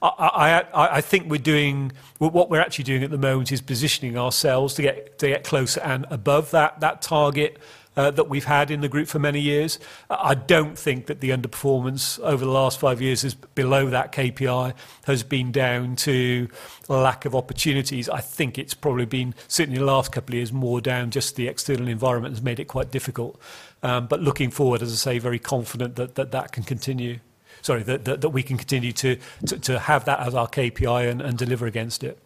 I think we're doing. What we're actually doing at the moment is positioning ourselves to get closer and above that target that we've had in the group for many years. I don't think that the underperformance over the last five years is below that KPI has been down to lack of opportunities. I think it's probably been certainly in the last couple of years, more down, just the external environment has made it quite difficult. Looking forward, as I say, very confident that can continue. Sorry, that we can continue to have that as our KPI and deliver against it.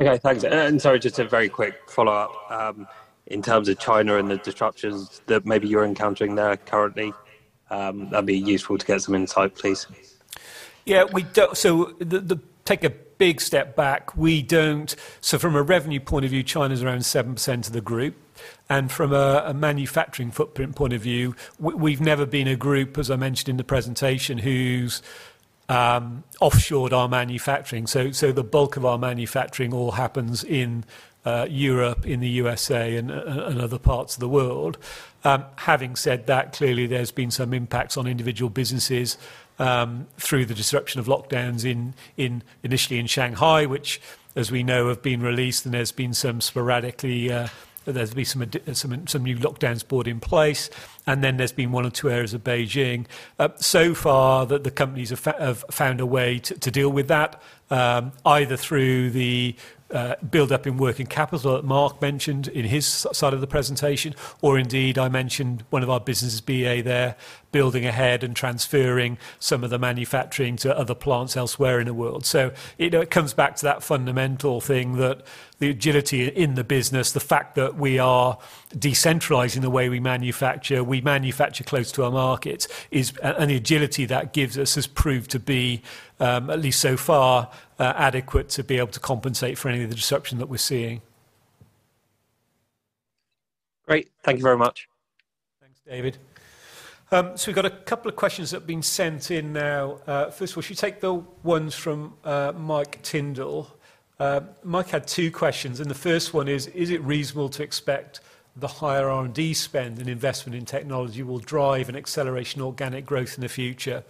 Okay. Thanks. Sorry, just a very quick follow-up. In terms of China and the disruptions that maybe you're encountering there currently, that'd be useful to get some insight, please. Yeah. Take a big step back. From a revenue point of view, China is around 7% of the group. From a manufacturing footprint point of view, we've never been a group, as I mentioned in the presentation, who's offshored our manufacturing. The bulk of our manufacturing all happens in Europe, in the USA and other parts of the world. Having said that, clearly there's been some impacts on individual businesses through the disruption of lockdowns initially in Shanghai, which as we know have been released and there's been some sporadic, there's been some new lockdowns brought in place, and then there's been one or two areas of Beijing. So far the companies have found a way to deal with that, either through the buildup in working capital that Marc mentioned in his side of the presentation, or indeed I mentioned one of our businesses, BEA, they're building ahead and transferring some of the manufacturing to other plants elsewhere in the world. You know, it comes back to that fundamental thing that the agility in the business, the fact that we are decentralizing the way we manufacture, we manufacture close to our markets, and the agility that gives us has proved to be, at least so far, adequate to be able to compensate for any of the disruption that we're seeing. Great. Thank you very much. Thanks, David. We've got a couple of questions that have been sent in now. First of all, should take the ones from Mike Tindall. Mike had two questions, and the first one is: Is it reasonable to expect the higher R&D spend and investment in technology will drive an acceleration organic growth in the future?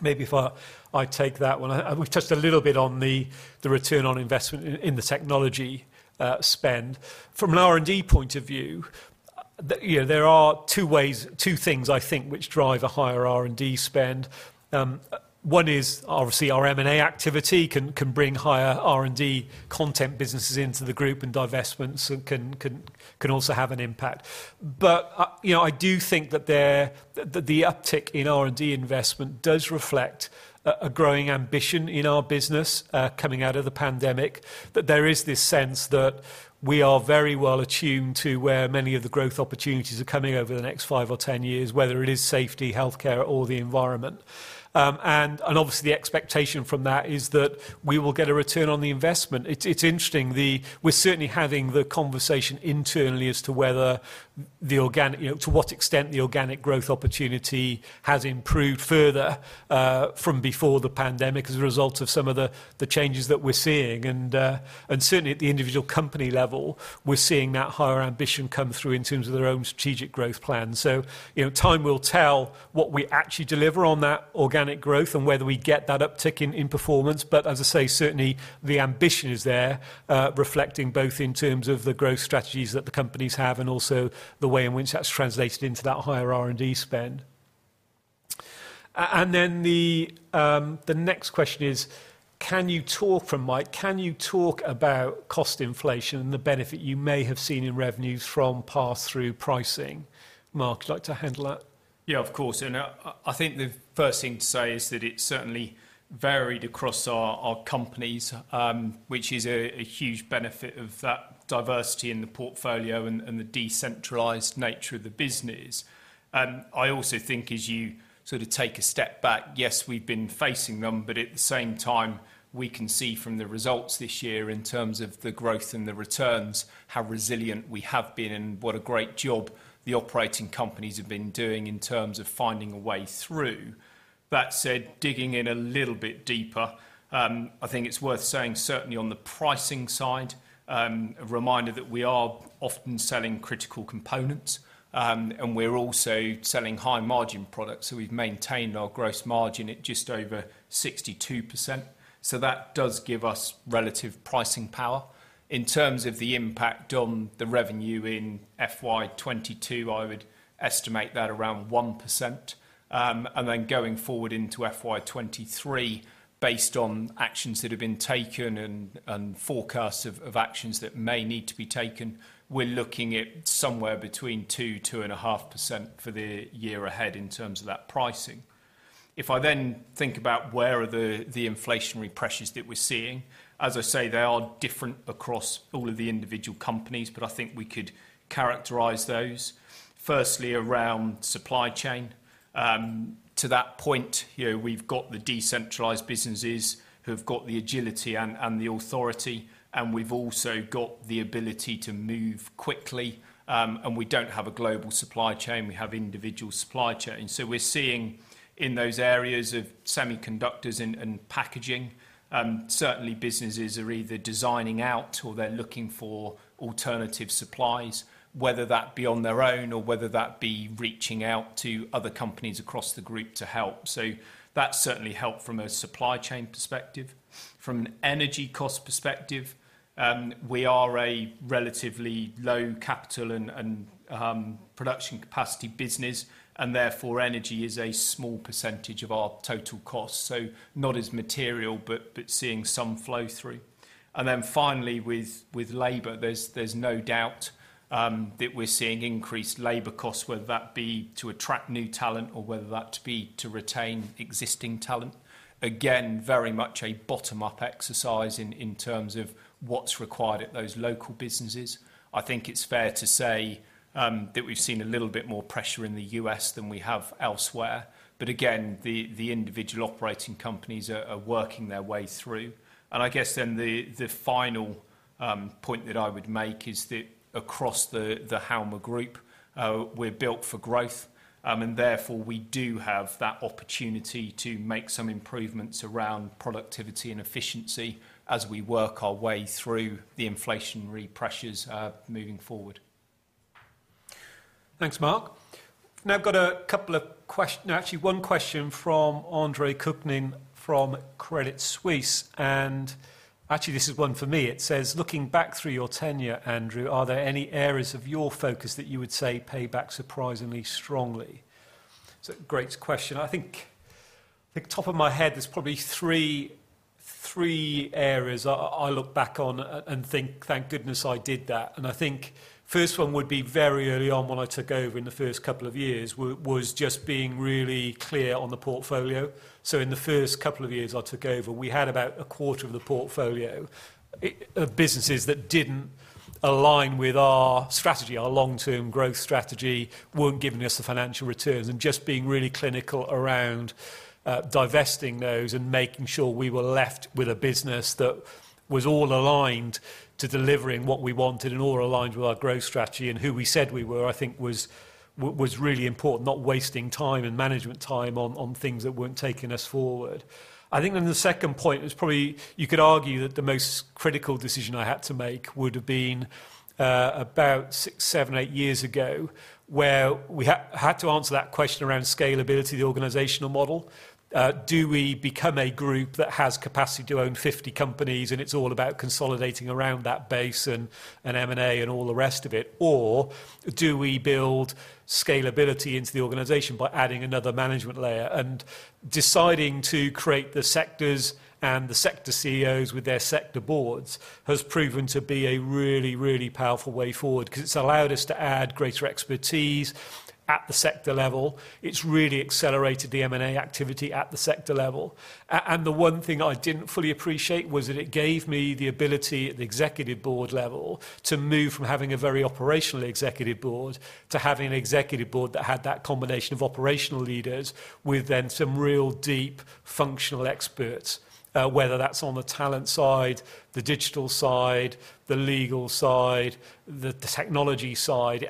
Maybe if I take that one. We've touched a little bit on the return on investment in the technology spend. From an R&D point of view, you know, there are two ways, two things I think which drive a higher R&D spend. One is obviously our M&A activity can bring higher R&D content businesses into the group, and divestments can also have an impact. You know, I do think that there. That the uptick in R&D investment does reflect a growing ambition in our business, coming out of the pandemic. That there is this sense that we are very well attuned to where many of the growth opportunities are coming over the next five or 10 years, whether it is safety, healthcare or the environment. Obviously, the expectation from that is that we will get a return on the investment. It's interesting. We're certainly having the conversation internally as to whether you know, to what extent the organic growth opportunity has improved further, from before the pandemic as a result of some of the changes that we're seeing. Certainly at the individual company level, we're seeing that higher ambition come through in terms of their own strategic growth plan. You know, time will tell what we actually deliver on that organic growth and whether we get that uptick in performance. As I say, certainly the ambition is there, reflecting both in terms of the growth strategies that the companies have and also the way in which that's translated into that higher R&D spend. The next question is from Mike, Can you talk about cost inflation and the benefit you may have seen in revenue from pass-through pricing? Marc, would you like to handle that? Yeah, of course. I think the first thing to say is that it certainly varied across our companies, which is a huge benefit of that diversity in the portfolio and the decentralized nature of the business. I also think as you sort of take a step back, yes, we've been facing them, but at the same time, we can see from the results this year in terms of the growth and the returns, how resilient we have been and what a great job the operating companies have been doing in terms of finding a way through. That said, digging in a little bit deeper, I think it's worth saying certainly on the pricing side, a reminder that we are often selling critical components, and we're also selling high margin products. We've maintained our gross margin at just over 62%, so that does give us relative pricing power. In terms of the impact on the revenue in FY22, I would estimate that around 1%. Going forward into FY23, based on actions that have been taken and forecasts of actions that may need to be taken, we're looking at somewhere between 2% and 2.5% for the year ahead in terms of that pricing. If I then think about where are the inflationary pressures that we're seeing, as I say, they are different across all of the individual companies, but I think we could characterize those. Firstly, around supply chain. To that point, you know, we've got the decentralized businesses who have got the agility and the authority, and we've also got the ability to move quickly. We don't have a global supply chain. We have individual supply chains. We're seeing in those areas of semiconductors and packaging, certainly businesses are either designing out or they're looking for alternative supplies, whether that be on their own or whether that be reaching out to other companies across the group to help. That's certainly helped from a supply chain perspective. From an energy cost perspective, we are a relatively low capital and production capacity business, and therefore energy is a small percentage of our total cost. Not as material, but seeing some flow through. Then finally, with labor, there's no doubt that we're seeing increased labor costs, whether that be to attract new talent or whether that be to retain existing talent. Again, very much a bottom-up exercise in terms of what's required at those local businesses. I think it's fair to say That we've seen a little bit more pressure in the US than we have elsewhere. Again, the individual operating companies are working their way through. I guess then the final point that I would make is that across the Halma group, we're built for growth. Therefore we do have that opportunity to make some improvements around productivity and efficiency as we work our way through the inflationary pressures, moving forward. Thanks, Mark. Now I've got actually one question from Andre Kukhnin from Credit Suisse. Actually, this is one for me. It says, "Looking back through your tenure, Andrew, are there any areas of your focus that you would say pay back surprisingly strongly?" It's a great question. I think off the top of my head, there's probably three areas I look back on and think, "Thank goodness I did that." I think first one would be very early on when I took over in the first couple of years was just being really clear on the portfolio. In the first couple of years I took over, we had about a quarter of the portfolio businesses that didn't align with our strategy. Our long-term growth strategy weren't giving us the financial returns, and just being really clinical around divesting those and making sure we were left with a business that was all aligned to delivering what we wanted and all aligned with our growth strategy and who we said we were, I think was really important. Not wasting time and management time on things that weren't taking us forward. I think the second point is probably you could argue that the most critical decision I had to make would've been about six, seven, eight years ago, where we had to answer that question around scalability, the organizational model. Do we become a group that has capacity to own 50 companies and it's all about consolidating around that base and M&A and all the rest of it? Or do we build scalability into the organization by adding another management layer? Deciding to create the sectors and the sector CEOs with their sector boards has proven to be a really, really powerful way forward because it's allowed us to add greater expertise at the sector level. It's really accelerated the M&A activity at the sector level. The one thing I didn't fully appreciate was that it gave me the ability at the executive board level to move from having a very operational executive board to having an executive board that had that combination of operational leaders with then some real deep functional experts. Whether that's on the talent side, the digital side, the legal side, the technology side.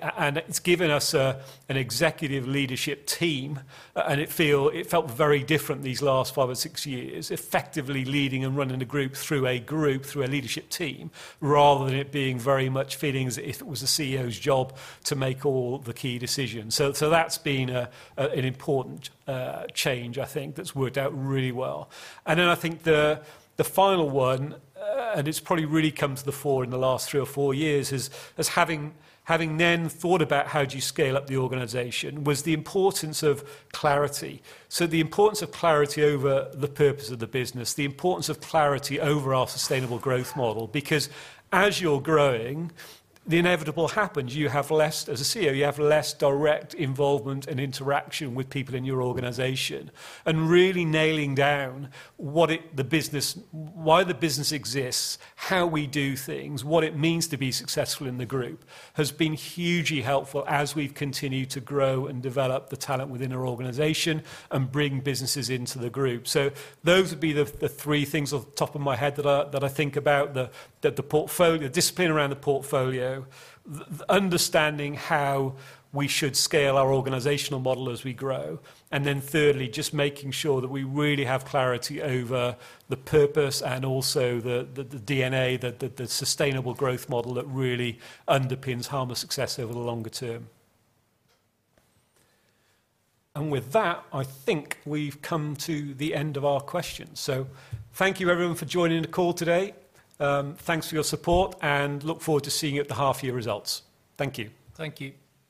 It's given us an executive leadership team, and it felt very different these last five or six years, effectively leading and running a group through a group, through a leadership team, rather than it being very much feeling as if it was the CEO's job to make all the key decisions. That's been an important change I think that's worked out really well. I think the final one, and it's probably really come to the fore in the last three or four years, is having then thought about how do you scale up the organization was the importance of clarity. The importance of clarity over the purpose of the business, the importance of clarity over our Sustainable Growth Model. Because as you're growing, the inevitable happens. You have less, as a CEO, direct involvement and interaction with people in your organization. Really nailing down why the business exists, how we do things, what it means to be successful in the group, has been hugely helpful as we've continued to grow and develop the talent within our organization and bring businesses into the group. Those would be the three things off the top of my head that I think about. The discipline around the portfolio, understanding how we should scale our organizational model as we grow, and then thirdly, just making sure that we really have clarity over the purpose and also the DNA, the Sustainable Growth Model that really underpins Halma's success over the longer term. With that, I think we've come to the end of our questions. Thank you everyone for joining the call today. Thanks for your support, and look forward to seeing you at the half year results. Thank you. Thank you.